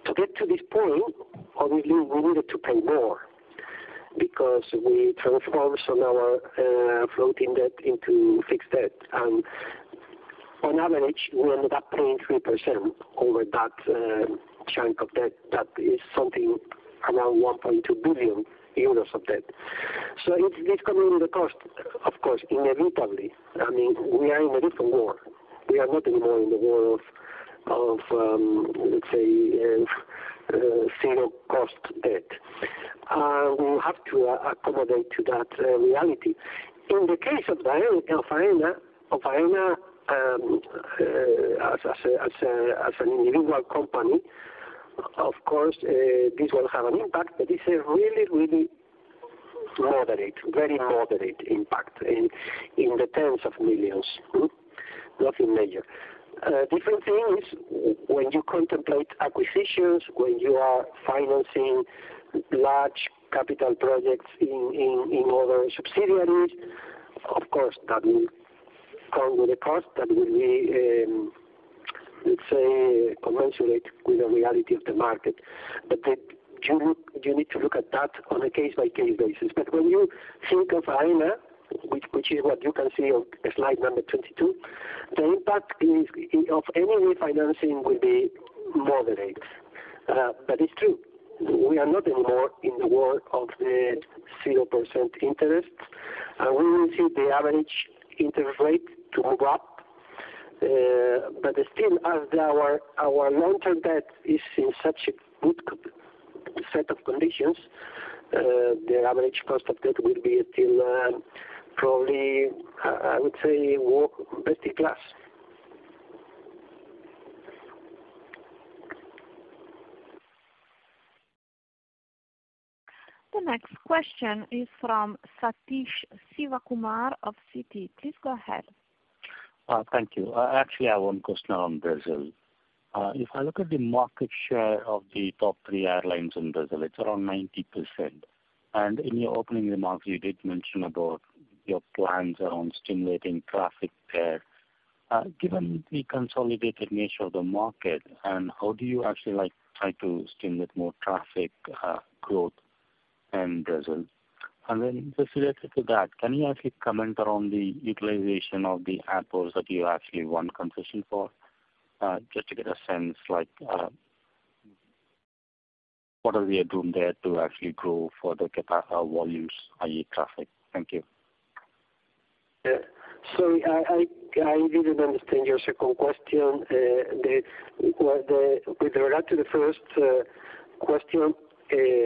To get to this point, obviously we needed to pay more because we transformed some of our floating debt into fixed debt. On average, we ended up paying 3% over that chunk of debt. That is something around 1.2 billion euros of debt. It's coming with a cost, of course, inevitably. I mean, we are in a different world. We are not anymore in the world of let's say zero cost debt. We have to accommodate to that reality. In the case of Aena, as an individual company, of course, this will have an impact, but it's a really moderate, very moderate impact in the tens of millions euro. Nothing major. Different thing is when you contemplate acquisitions, when you are financing large capital projects in other subsidiaries, of course that will come with a cost. That will be, let's say commensurate with the reality of the market. You need to look at that on a case-by-case basis. When you think of Aena, which is what you can see on slide number 22, the impact of any refinancing will be moderate. It's true, we are not in the war of the 0% interest, and we will see the average interest rate to go up. But still as our long-term debt is in such a good set of conditions, the average cost of debt will be at, probably, I would say, work pretty close. The next question is from Sathish Sivakumar of Citi. Please go ahead. Thank you. Actually I have one question on Brazil. If I look at the market share of the top three airlines in Brazil, it's around 90%. In your opening remarks, you did mention about your plans around stimulating traffic there. Given the consolidated nature of the market, and how do you actually like try to stimulate more traffic, growth in Brazil? Then just related to that, can you actually comment around the utilization of the airports that you actually won concession for, just to get a sense like, what are we doing there to actually grow for the capacity volumes, i.e. traffic? Thank you. Sorry, I didn't understand your second question. With regard to the first question,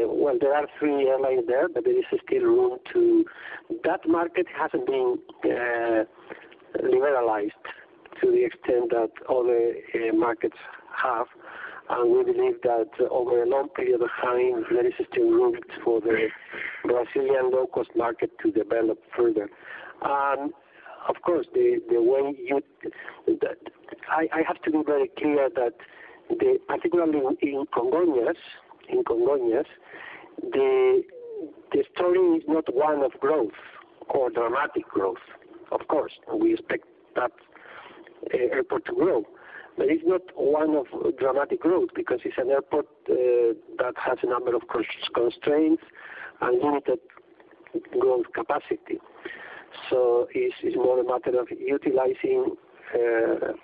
well, there are three airlines there, but there is still room. That market hasn't been liberalized to the extent that other markets have. We believe that over a long period of time, there is still room for the Brazilian low-cost market to develop further. Of course, I have to be very clear that, particularly in Congonhas, the story is not one of growth or dramatic growth. Of course, we expect that airport to grow, but it's not one of dramatic growth because it's an airport that has a number of constraints and limited growth capacity. It's more a matter of utilizing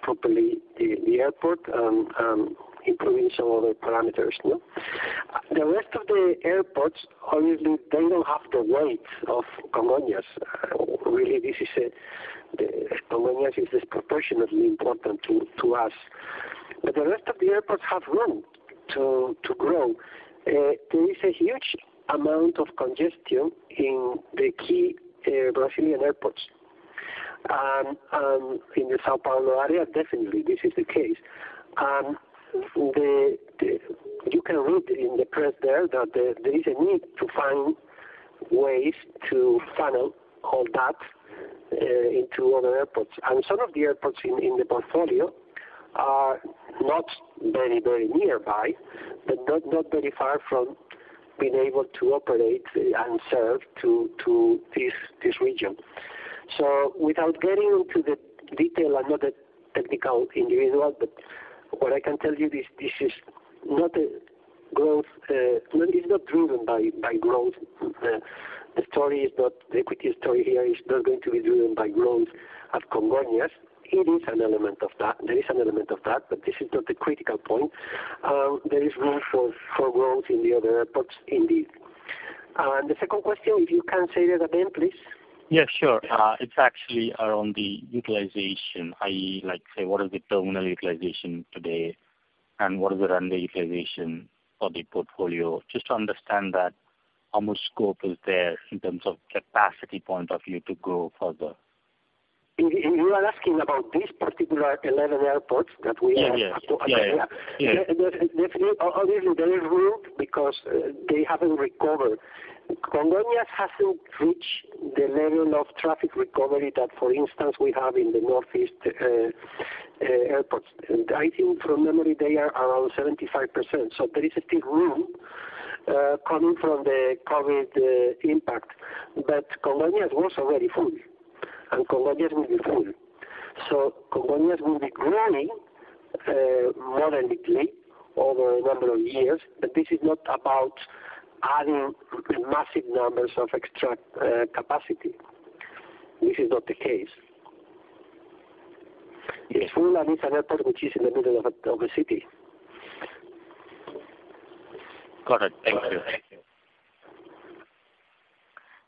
properly the airport and improving some other parameters, no? The rest of the airports, obviously, they don't have the weight of Congonhas. Congonhas is disproportionately important to us. But the rest of the airports have room to grow. There is a huge amount of congestion in the key Brazilian airports. In the São Paulo area, definitely this is the case. You can read in the press there that there is a need to find ways to funnel all that into other airports. Some of the airports in the portfolio are not very nearby, but not very far from being able to operate and serve to this region. Without getting into the detail, I'm not a technical individual, but what I can tell you this is not a growth. It's not driven by growth. The equity story here is not going to be driven by growth at Congonhas. It is an element of that. There is an element of that, but this is not the critical point. There is room for growth in the other airports indeed. The second question, if you can say that again, please. Yeah, sure. It's actually around the utilization, i.e., like, say, what is the terminal utilization today, and what is the runway utilization for the portfolio? Just to understand that how much scope is there in terms of capacity point of view to grow further. You are asking about these particular 11 airports that we have talked about there? Yeah. Definitely. Obviously, there is room because they haven't recovered. Congonhas hasn't reached the level of traffic recovery that, for instance, we have in the Northeast airports. I think from memory, they are around 75%. There is still room coming from the COVID impact. Congonhas was already full, and Congonhas will be full. Congonhas will be growing moderately over a number of years, but this is not about adding massive numbers of extra capacity. This is not the case. It's full, and it's an airport which is in the middle of a city. Got it. Thank you.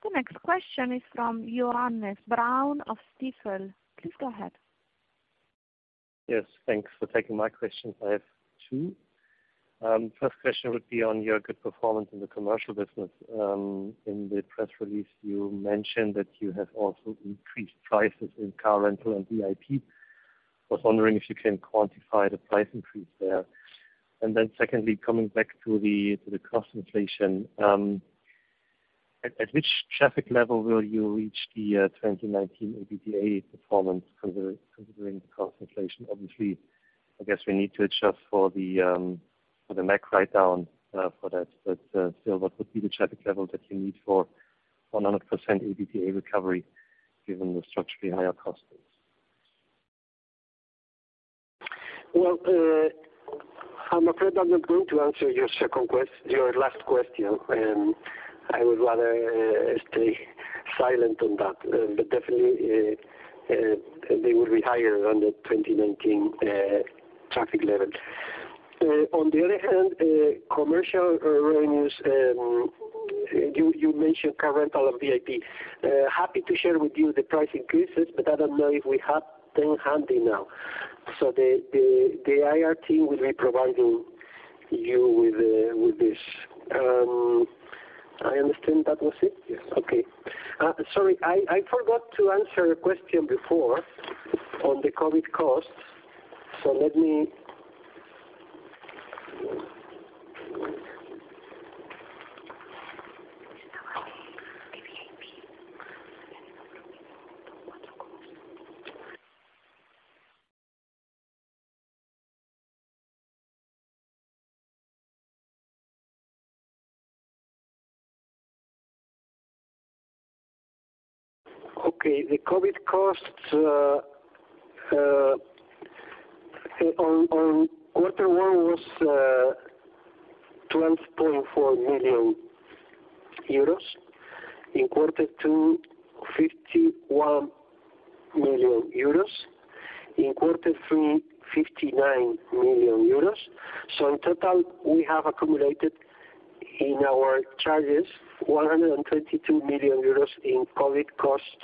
The next question is from Johannes Braun of Stifel. Please go ahead. Yes, thanks for taking my questions. I have two. First question would be on your good performance in the commercial business. In the press release, you mentioned that you have also increased prices in car rental and VIP. I was wondering if you can quantify the price increase there. Secondly, coming back to the cost inflation, at which traffic level will you reach the 2019 EBITDA performance considering the cost inflation? Obviously, I guess we need to adjust for the MAG write down for that. Still, what would be the traffic level that you need for 100% EBITDA recovery given the structurally higher costs. Well, I'm afraid I'm not going to answer your last question. I would rather stay silent on that. But definitely, they will be higher on the 2019 traffic level. On the other hand, commercial revenues, you mentioned car rental and VIP. Happy to share with you the price increases, but I don't know if we have them handy now. The IR team will be providing you with this. I understand that was it? Yes. Sorry, I forgot to answer a question before on the COVID costs. The COVID costs on quarter one was 12.4 million euros. In quarter two, 51 million euros. In quarter three, 59 million euros. In total, we have accumulated in our charges 122 million euros in COVID costs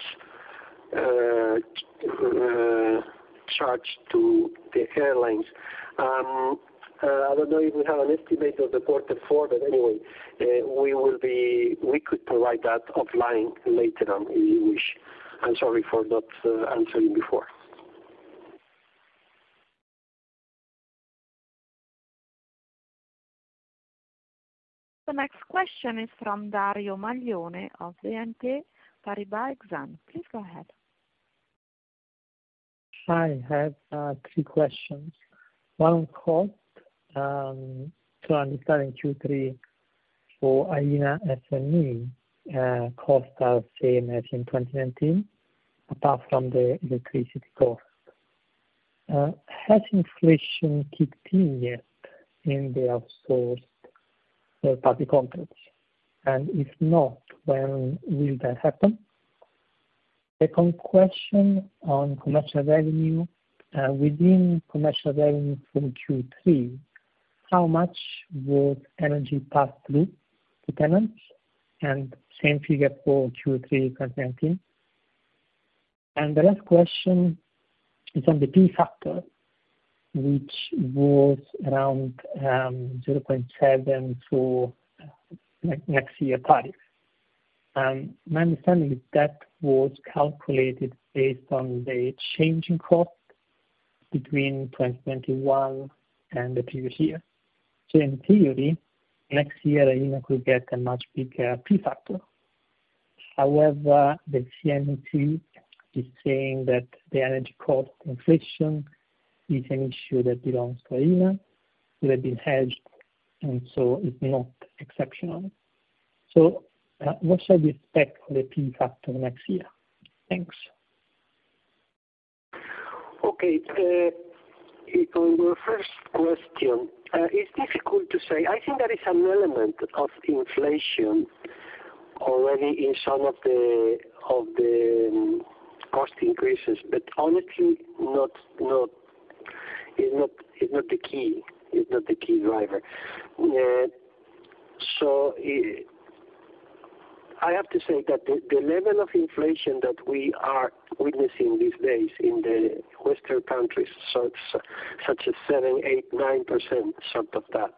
charged to the airlines. I don't know if we have an estimate of the quarter four, but anyway, we could provide that offline later on if you wish. I'm sorry for not answering before. The next question is from Dario Maglione of BNP Paribas Exane. Please go ahead. I have three questions. One on cost. So understanding Q3 for Aena S.M.E., costs are same as in 2019, apart from the increased cost. Has inflation kicked in yet in the outsourced third-party contracts? If not, when will that happen? Second question on commercial revenue. Within commercial revenue from Q3, how much was energy passed through to tenants, and same figure for Q3 2019? The last question is on the P-factor, which was around 0.7 for next year tariffs. My understanding is that was calculated based on the change in cost between 2021 and the previous year. In theory, next year Aena could get a much bigger P-factor. However, the CNMC is saying that the energy cost inflation is an issue that belongs to Aena. It had been hedged, and so it's not exceptional. What should we expect for the P-factor next year? Thanks. Okay. On your first question, it's difficult to say. I think there is an element of inflation already in some of the cost increases, but honestly, it is not the key driver. I have to say that the level of inflation that we are witnessing these days in the Western countries, such as 7%, 8%, 9%, sort of that,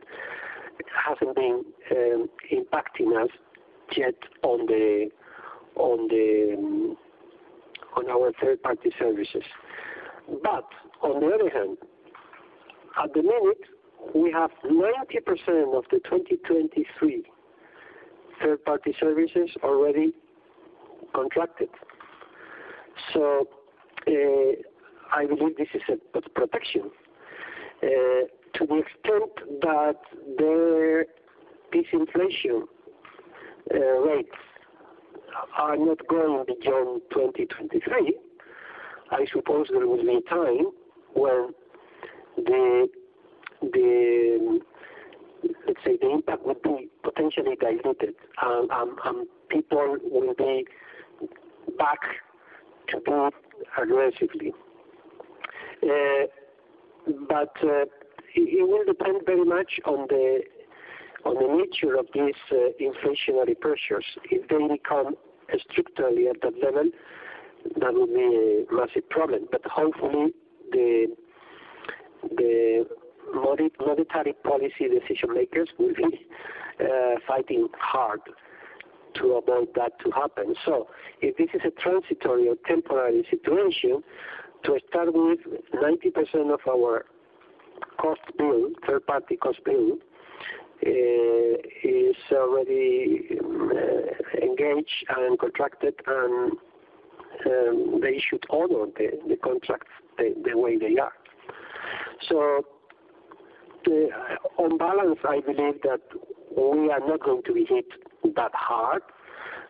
hasn't been impacting us yet on our third-party services. But on the other hand, at the moment, we have 90% of the 2023 third-party services already contracted. I believe this is a protection to the extent that the disinflation rates are not going beyond 2023. I suppose there will be a time when the, let's say, the impact will be potentially diluted and people will be back to grow aggressively. It will depend very much on the nature of these inflationary pressures. If they become structurally at that level, that will be a massive problem. Hopefully the monetary policy decision-makers will be fighting hard to avoid that to happen. If this is a transitory or temporary situation, to start with, 90% of our cost bill, third-party cost bill, is already engaged and contracted, and they should honor the contract the way they are. On balance, I believe that we are not going to be hit that hard.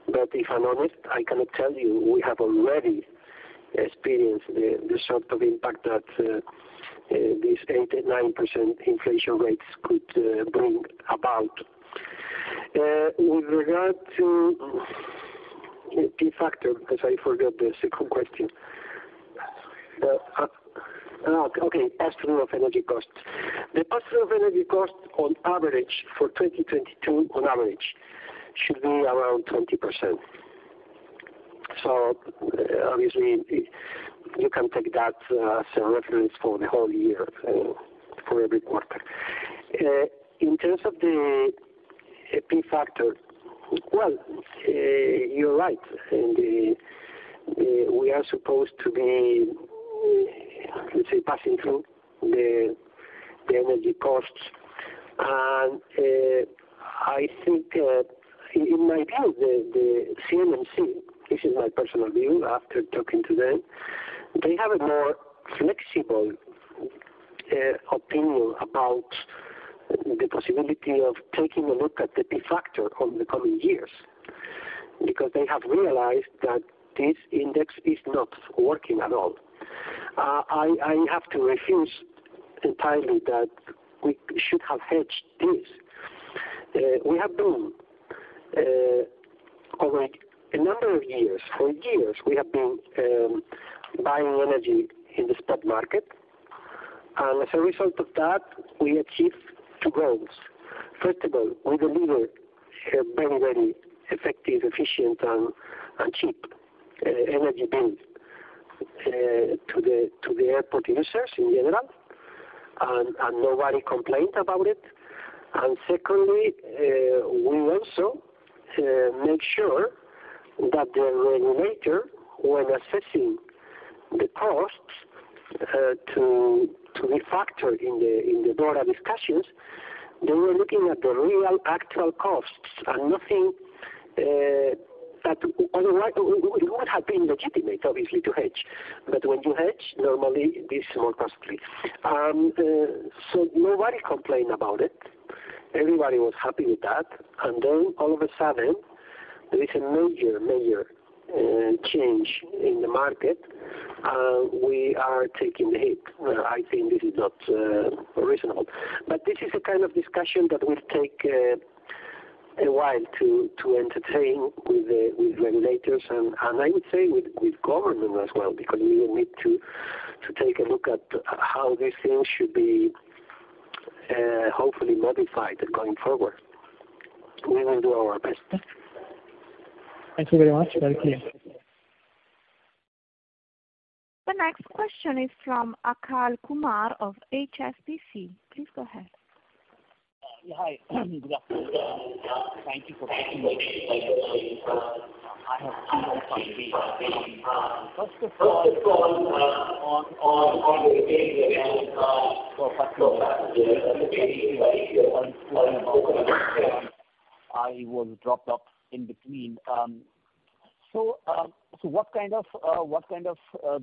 If I'm honest, I cannot tell you, we have already experienced the sort of impact that these 89% inflation rates could bring about. With regard to the K-factor, because I forgot the second question. Pass-through of energy costs. The pass-through of energy costs on average for 2022, on average, should be around 20%. Obviously you can take that as a reference for the whole year for every quarter. In terms of the P-factor, you're right. We are supposed to be, let's say, passing through the energy costs. I think in my view, the CNMC, this is my personal view after talking to them, they have a more flexible opinion about the possibility of taking a look at the P-factor on the coming years because they have realized that this index is not working at all. I have to refuse entirely that we should have hedged this. We have been over a number of years, for years, buying energy in the spot market. As a result of that, we achieved two goals. First of all, we delivered a very effective, efficient, and cheap energy bill to the airport users in general, and nobody complained about it. Secondly, we also made sure that the regulator, when assessing the costs to be factored in the DORA discussions, they were looking at the real actual costs and nothing that on the right. It would have been legitimate, obviously, to hedge. When you hedge, normally this is more costly. Nobody complained about it. Everybody was happy with that. All of a sudden, there is a major change in the market, and we are taking the hit. Well, I think this is not reasonable. This is a kind of discussion that will take a while to entertain with the regulators and I would say with government as well, because we will need to take a look at how these things should be hopefully modified going forward. We will do our best. Thank you very much. Thank you. The next question is from Akash Kumar of HSBC. Please go ahead. Hi. Good afternoon. Thank you for taking my question. I have two quick questions. First of all, on the retail revenue per passenger. *audio distortion* It was dropped off in between. What kind of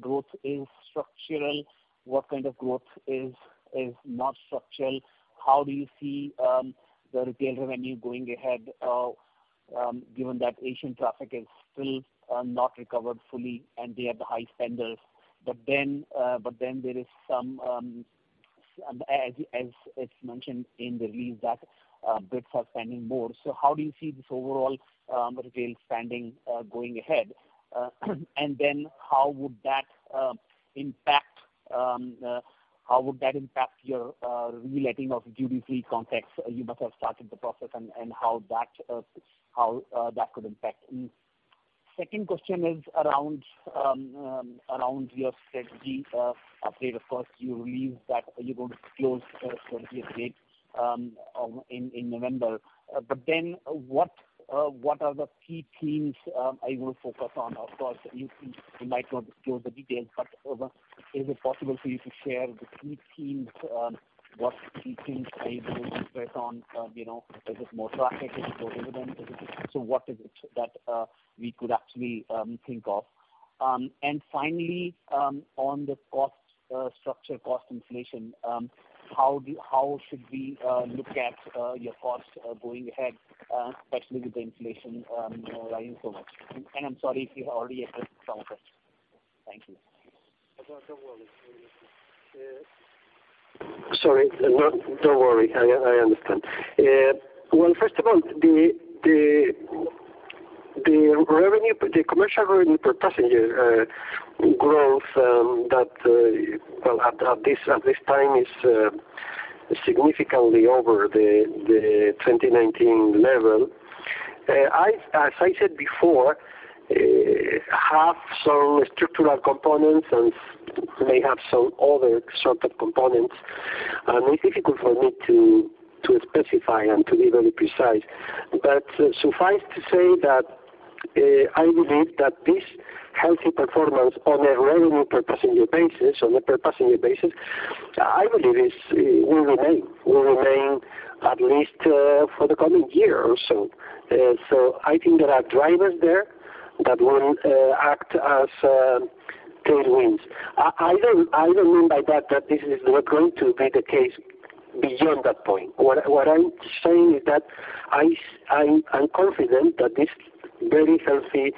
growth is structural? What kind of growth is not structural? How do you see the retail revenue going ahead, given that Asian traffic is still not recovered fully and they are the high spenders? There is some, as mentioned in the release, that British spending more. How do you see this overall retail spending going ahead? How would that impact your reletting of duty-free contracts? You must have started the process and how that could impact. Second question is around your strategy update. Of course, you released that you're going to close 48 gates in November. But then what are the key themes Aena will focus on? Of course, you might not give the details, but is it possible for you to share the key themes Aena will focus on? You know, is it more traffic? Is it more revenue? What is it that we could actually think of? Finally, on the cost structure, cost inflation, how should we look at your costs going ahead, especially with the inflation rising so much? I'm sorry if you have already addressed some of it. Thank you. Don't worry. Sorry. No, don't worry. I understand. Well, first of all, the revenue, the commercial revenue per passenger growth that well at this time is significantly over the 2019 level. As I said before, have some structural components and may have some other sort of components. It's difficult for me to specify and to be very precise. Suffice to say that I believe that this healthy performance on a revenue per passenger basis, on a per passenger basis, I believe will remain. At least for the coming year or so. I think there are drivers there that will act as tailwinds. I don't mean by that that this is not going to be the case beyond that point. I'm confident that this very healthy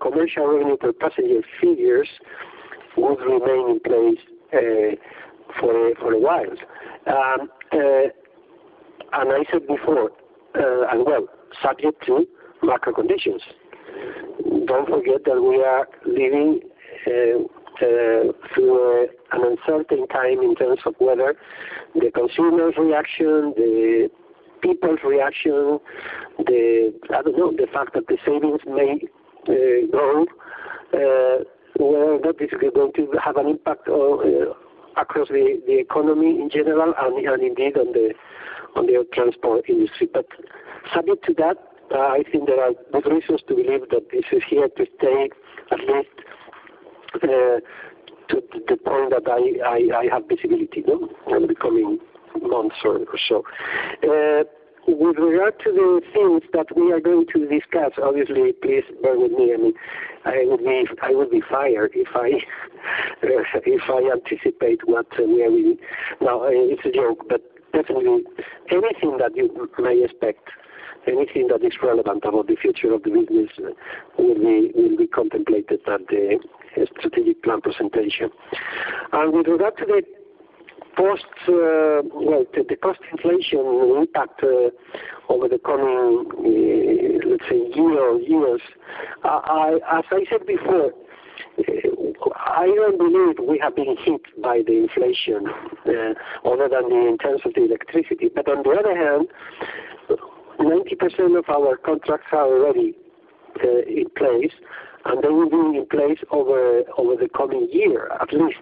commercial revenue per passenger figures will remain in place for a while. I said before, as well, subject to macro conditions. Don't forget that we are living through an uncertain time in terms of whether the consumer's reaction, the people's reaction, I don't know, the fact that the savings may grow will basically not have an impact across the economy in general and indeed on the air transport industry. Subject to that, I think there are good reasons to believe that this is here to stay at least to the point that I have visibility, no? In the coming months or so. With regard to the things that we are going to discuss, obviously, please bear with me, I mean, I would be fired if I anticipate. No, it's a joke, but definitely anything that you may expect, anything that is relevant about the future of the business will be contemplated at the strategic plan presentation. With regard to the post, well, the cost inflation impact over the coming, let's say year or years, as I said before, I don't believe we have been hit by the inflation other than in terms of the electricity. On the other hand, 90% of our contracts are already in place, and they will be in place over the coming year, at least.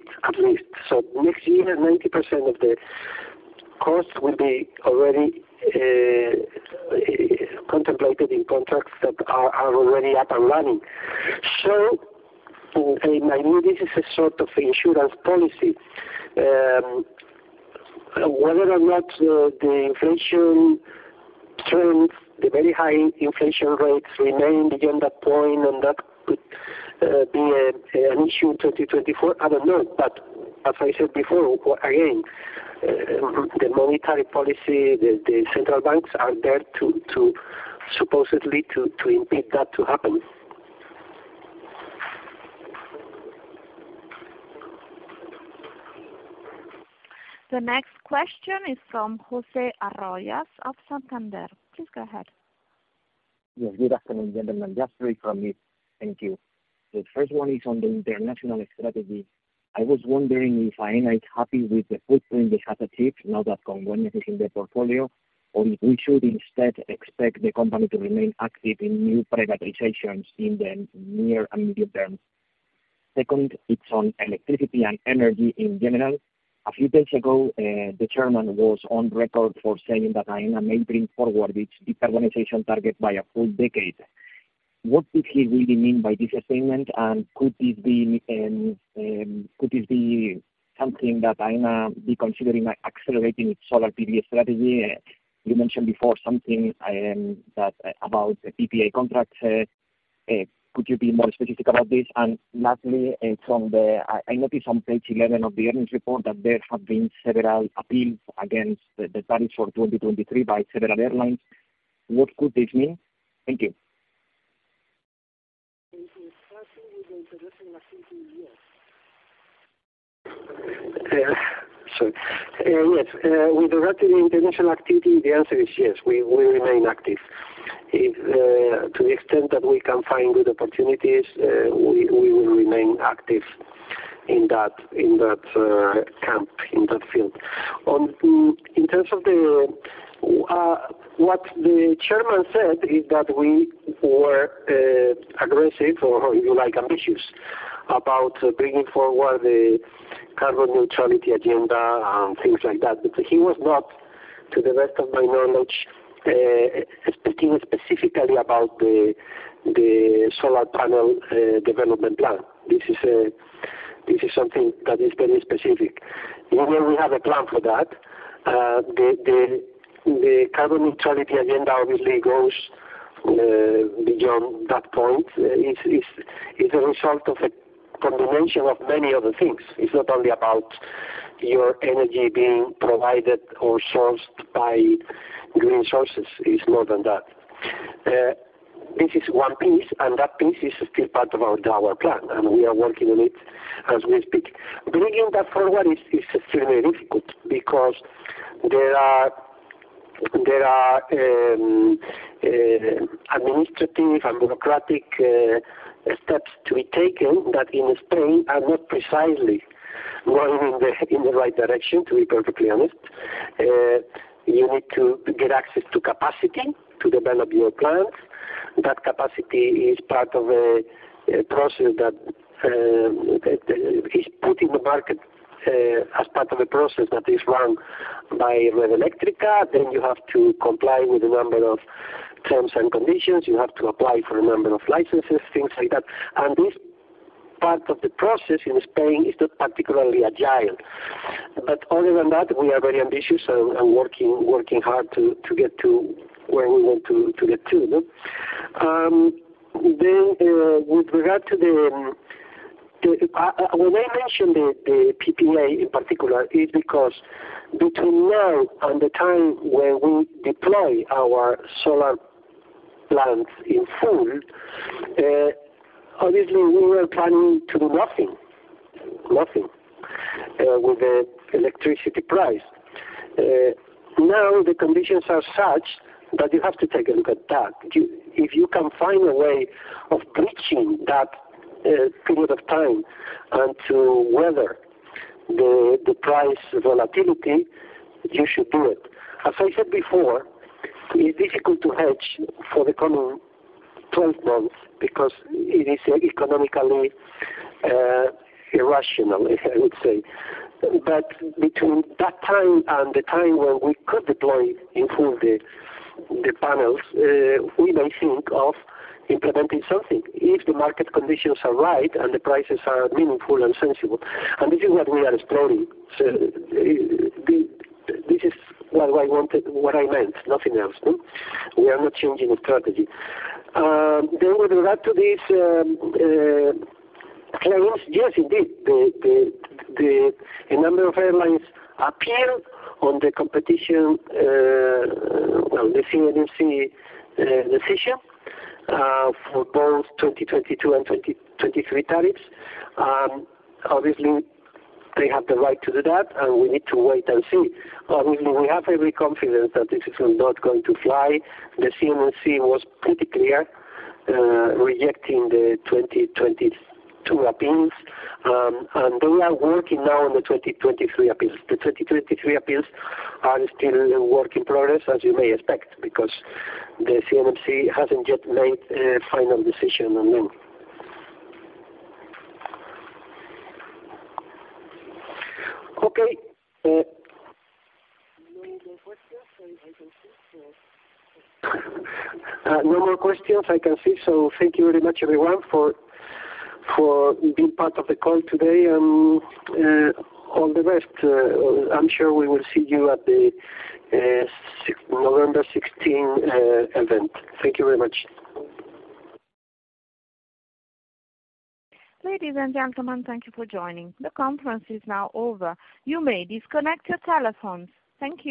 Next year, 90% of the costs will be already contemplated in contracts that are already up and running. In my view, this is a sort of insurance policy. Whether or not the inflation trends, the very high inflation rates remain beyond that point and that could be an issue in 2024, I don't know. As I said before, again, the monetary policy, the central banks are there to supposedly impede that from happening. The next question is from José Arroyo of Santander. Please go ahead. Yes, good afternoon, gentlemen. Just three from me. Thank you. The first one is on the international strategy. I was wondering if Aena is happy with the footprint they have achieved now that Congonhas is in their portfolio, or we should instead expect the company to remain active in new privatizations in the near and medium term. Second, it's on electricity and energy in general. A few days ago, the chairman was on record for saying that Aena may bring forward its decarbonization target by a full decade. What did he really mean by this statement, and could this be something that Aena be considering accelerating its solar PPA strategy? You mentioned before something about PPA contracts. Could you be more specific about this? And lastly, from the. I noticed on page 11 of the earnings report that there have been several appeals against the tariffs for 2023 by several airlines. What could this mean? Thank you. Sorry. Yes, with regard to the international activity, the answer is yes. We remain active. If to the extent that we can find good opportunities, we will remain active in that camp, in that field. In terms of the, what the chairman said is that we were aggressive, or if you like, ambitious about bringing forward the carbon neutrality agenda and things like that. But he was not, to the best of my knowledge, speaking specifically about the solar panel development plan. This is something that is very specific. Even we have a plan for that, the carbon neutrality agenda obviously goes beyond that point. It's a result of a combination of many other things. It's not only about your energy being provided or sourced by green sources, it's more than that. This is one piece, and that piece is still part of our plan, and we are working on it as we speak. Bringing that forward is extremely difficult because there are administrative and bureaucratic steps to be taken that in Spain are not precisely going in the right direction, to be perfectly honest. You need to get access to capacity to develop your plans. That capacity is part of a process that is put in the market as part of a process that is run by Red Eléctrica. You have to comply with a number of terms and conditions. You have to apply for a number of licenses, things like that. Part of the process in Spain is not particularly agile. Other than that, we are very ambitious and working hard to get to where we want to get to. With regard to when I mentioned the PPA in particular, it's because between now and the time where we deploy our solar plants in full, obviously we were planning to do nothing with the electricity price. Now the conditions are such that you have to take a look at that. If you can find a way of bridging that period of time and to weather the price volatility, you should do it. As I said before, it's difficult to hedge for the coming 12 months because it is economically irrational, I would say. Between that time and the time where we could deploy in full the panels, we may think of implementing something if the market conditions are right and the prices are meaningful and sensible. This is what we are exploring. This is what I wanted, what I meant, nothing else. We are not changing the strategy. With regard to these claims. Yes, indeed. A number of airlines appeal on the competition, well, the CNMC decision, for both 2022 and 2023 tariffs. Obviously they have the right to do that, and we need to wait and see. Obviously, we have every confidence that this is not going to fly. The CNMC was pretty clear, rejecting the 2022 appeals. They are working now on the 2023 appeals. The 2023 appeals are still a work in progress, as you may expect, because the CNMC hasn't yet made a final decision on them. Okay. *audio distortion* No more questions I can see. Thank you very much everyone for being part of the call today. All the best. I'm sure we will see you at the November 16 event. Thank you very much. Ladies and gentlemen, thank you for joining. The conference is now over. You may disconnect your telephones. Thank you.